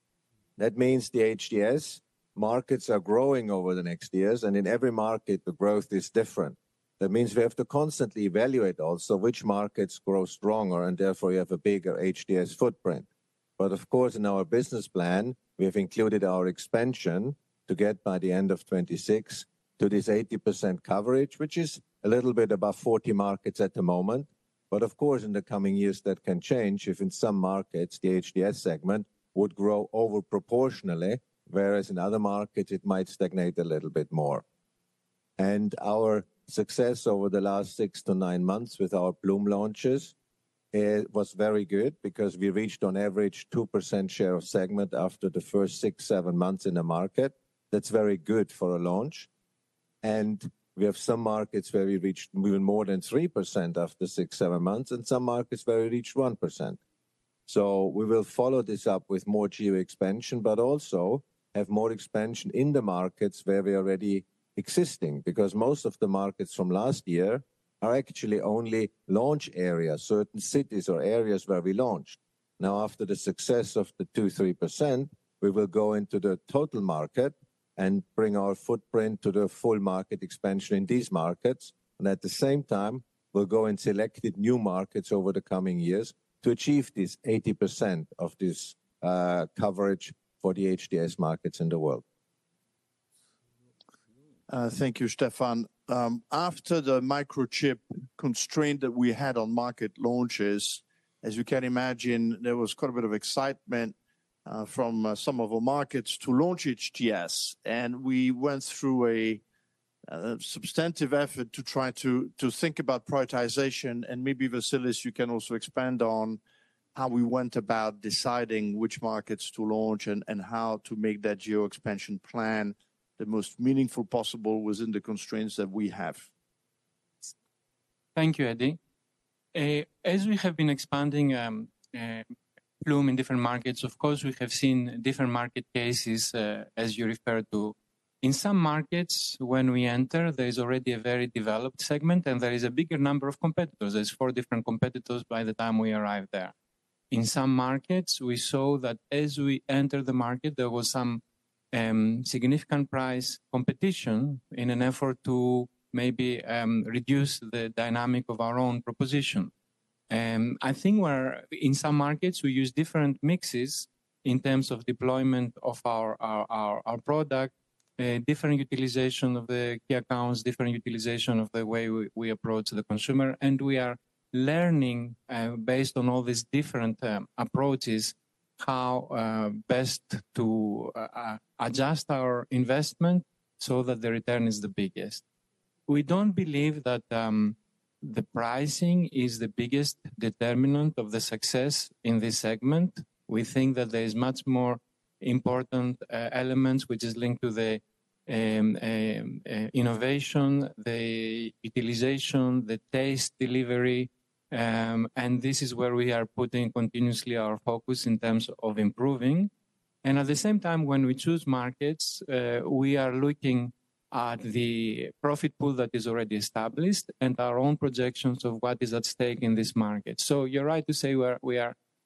That means the HTS markets are growing over the next years. In every market, the growth is different. That means we have to constantly evaluate also which markets grow stronger. Therefore, you have a bigger HTS footprint. Of course, in our business plan, we have included our expansion to get, by the end of 2026, to this 80% coverage, which is a little bit above 40 markets at the moment. Of course, in the coming years, that can change if, in some markets, the HTS segment would grow overproportionally, whereas in other markets, it might stagnate a little bit more. Our success over the last 6-9 months with our Ploom launches was very good because we reached, on average, a 2% share of segment after the first 6-7 months in the market. That's very good for a launch. We have some markets where we reached even more than 3% after 6-7 months. Some markets where we reached 1%. So we will follow this up with more geo expansion, but also have more expansion in the markets where we are already existing because most of the markets from last year are actually only launch areas, certain cities or areas where we launched. Now, after the success of the 2-3%, we will go into the total market and bring our footprint to the full market expansion in these markets. At the same time, we'll go in selected new markets over the coming years to achieve this 80% of this coverage for the HTS markets in the world. Thank you, Stefan. After the microchip constraint that we had on market launches, as you can imagine, there was quite a bit of excitement from some of our markets to launch HTS. And we went through a substantive effort to try to think about prioritization. And maybe, Vassilis, you can also expand on how we went about deciding which markets to launch and how to make that geo-expansion plan the most meaningful possible within the constraints that we have. Thank you, Eddy. As we have been expanding Ploom in different markets, of course, we have seen different market cases, as you referred to. In some markets, when we enter, there is already a very developed segment. There is a bigger number of competitors. There are four different competitors by the time we arrive there. In some markets, we saw that, as we entered the market, there was some significant price competition in an effort to maybe reduce the dynamic of our own proposition. I think, in some markets, we use different mixes in terms of deployment of our product, different utilization of the key accounts, different utilization of the way we approach the consumer. We are learning, based on all these different approaches, how best to adjust our investment so that the return is the biggest. We don't believe that the pricing is the biggest determinant of the success in this segment. We think that there are much more important elements, which are linked to the innovation, the utilization, the taste delivery. And this is where we are putting continuously our focus in terms of improving. And at the same time, when we choose markets, we are looking at the profit pool that is already established and our own projections of what is at stake in this market. So you're right to say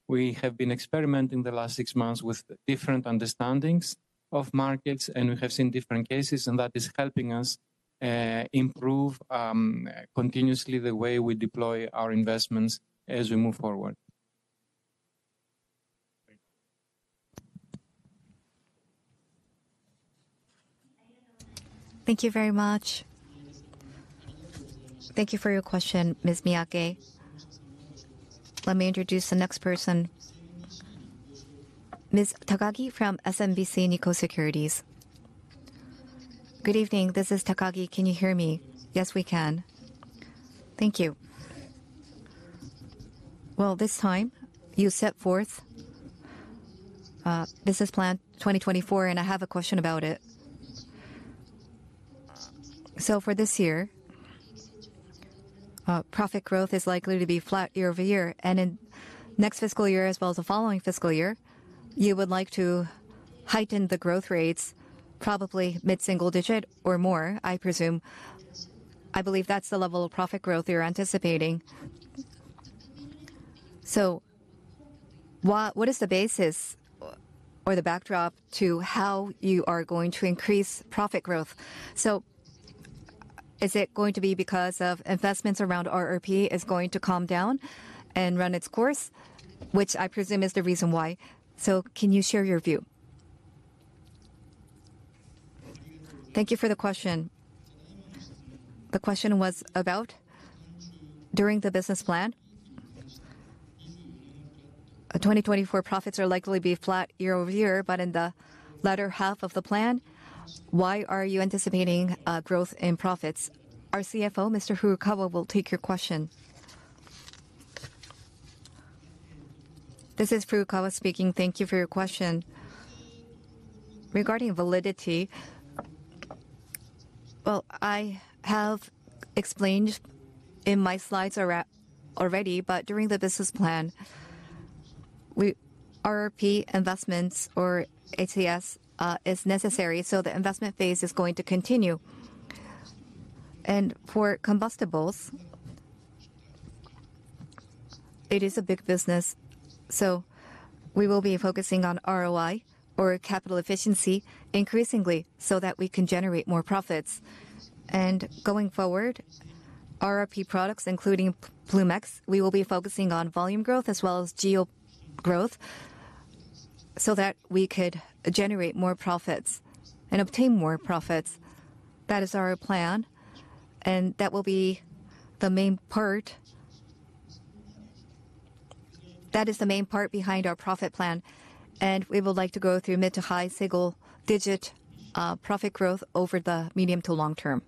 we have been experimenting the last six months with different understandings of markets. And we have seen different cases. And that is helping us improve continuously the way we deploy our investments as we move forward. Thank you very much. Thank you for your question, Ms. Miyake. Let me introduce the next person, Ms. Takagi from SMBC Nikko Securities. Good evening. This is Takagi. Can you hear me? Yes, we can. Thank you. Well, this time, you set forth Business Plan 2024. And I have a question about it. So for this year, profit growth is likely to be flat year-over-year. And in next fiscal year as well as the following fiscal year, you would like to heighten the growth rates, probably mid-single digit or more, I presume. I believe that's the level of profit growth you're anticipating. So what is the basis or the backdrop to how you are going to increase profit growth? So is it going to be because of investments around RRP is going to calm down and run its course, which I presume is the reason why? So can you share your view? Thank you for the question. The question was about during the Business Plan 2024 profits are likely to be flat year-over-year. But in the latter half of the plan, why are you anticipating growth in profits? Our CFO, Mr. Furukawa, will take your question. This is Furukawa speaking. Thank you for your question. Regarding validity, well, I have explained in my slides already. But during the Business Plan 2024, RRP investments or HTS is necessary. So the investment phase is going to continue. And for combustibles, it is a big business. So we will be focusing on ROI or capital efficiency increasingly so that we can generate more profits. And going forward, RRP products, including Ploom X, we will be focusing on volume growth as well as geo growth so that we could generate more profits and obtain more profits. That is our plan. That will be the main part that is the main part behind our profit plan. We would like to go through mid- to high-single-digit profit growth over the medium- to long-term.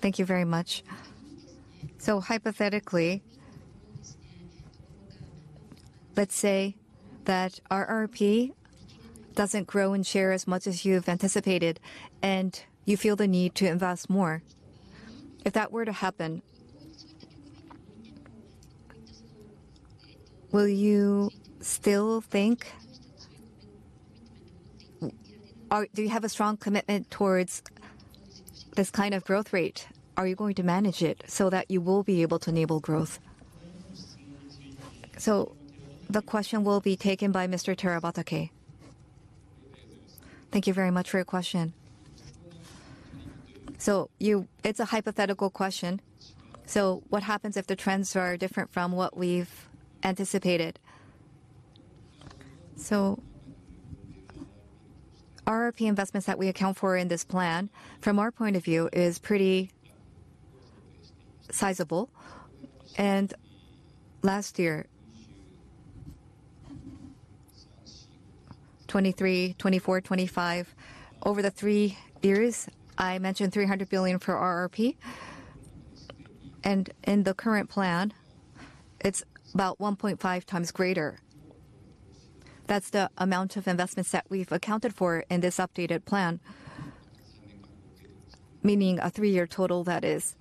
Thank you very much. So hypothetically, let's say that RRP doesn't grow in share as much as you've anticipated and you feel the need to invest more. If that were to happen, will you still think do you have a strong commitment towards this kind of growth rate? Are you going to manage it so that you will be able to enable growth? So the question will be taken by Mr. Terabatake. Thank you very much for your question. So it's a hypothetical question. So what happens if the trends are different from what we've anticipated? So RRP investments that we account for in this plan, from our point of view, is pretty sizable. Last year, 2023, 2024, 2025, over the three years, I mentioned 300 billion for RRP. In the current plan, it's about 1.5 times greater. That's the amount of investments that we've accounted for in this updated plan, meaning a three-year total, that is.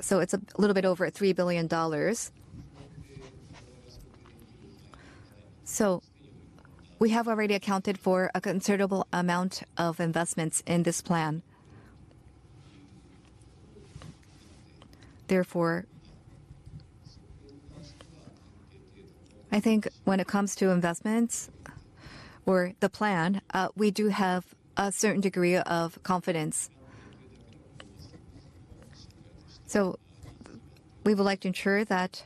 So it's a little bit over $3 billion. So we have already accounted for a considerable amount of investments in this plan. Therefore, I think when it comes to investments or the plan, we do have a certain degree of confidence. So we would like to ensure that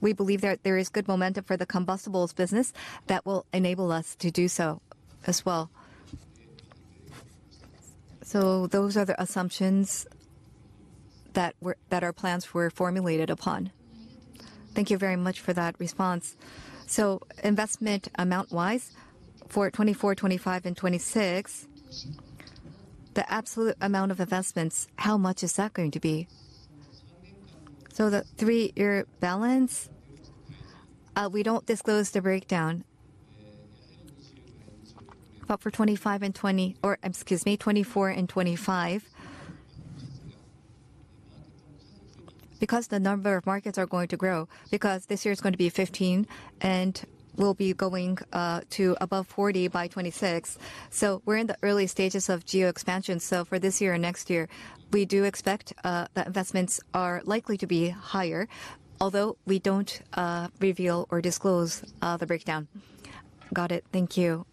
we believe that there is good momentum for the combustibles business that will enable us to do so as well. So those are the assumptions that our plans were formulated upon. Thank you very much for that response. So investment amount-wise for 2024, 2025, and 2026, the absolute amount of investments, how much is that going to be? So the three-year balance, we don't disclose the breakdown but for 2025 and 2020 or excuse me, 2024 and 2025, because the number of markets are going to grow, because this year is going to be 15 and will be going to above 40 by 2026. So we're in the early stages of geo-expansion. So for this year and next year, we do expect that investments are likely to be higher, although we don't reveal or disclose the breakdown. Got it. Thank you.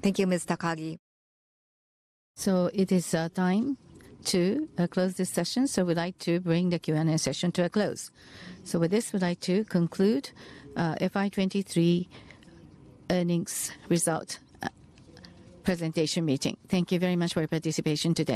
Thank you, Ms. Takagi. It is time to close this session. We'd like to bring the Q&A session to a close. With this, we'd like to conclude FY23 earnings result presentation meeting. Thank you very much for your participation today.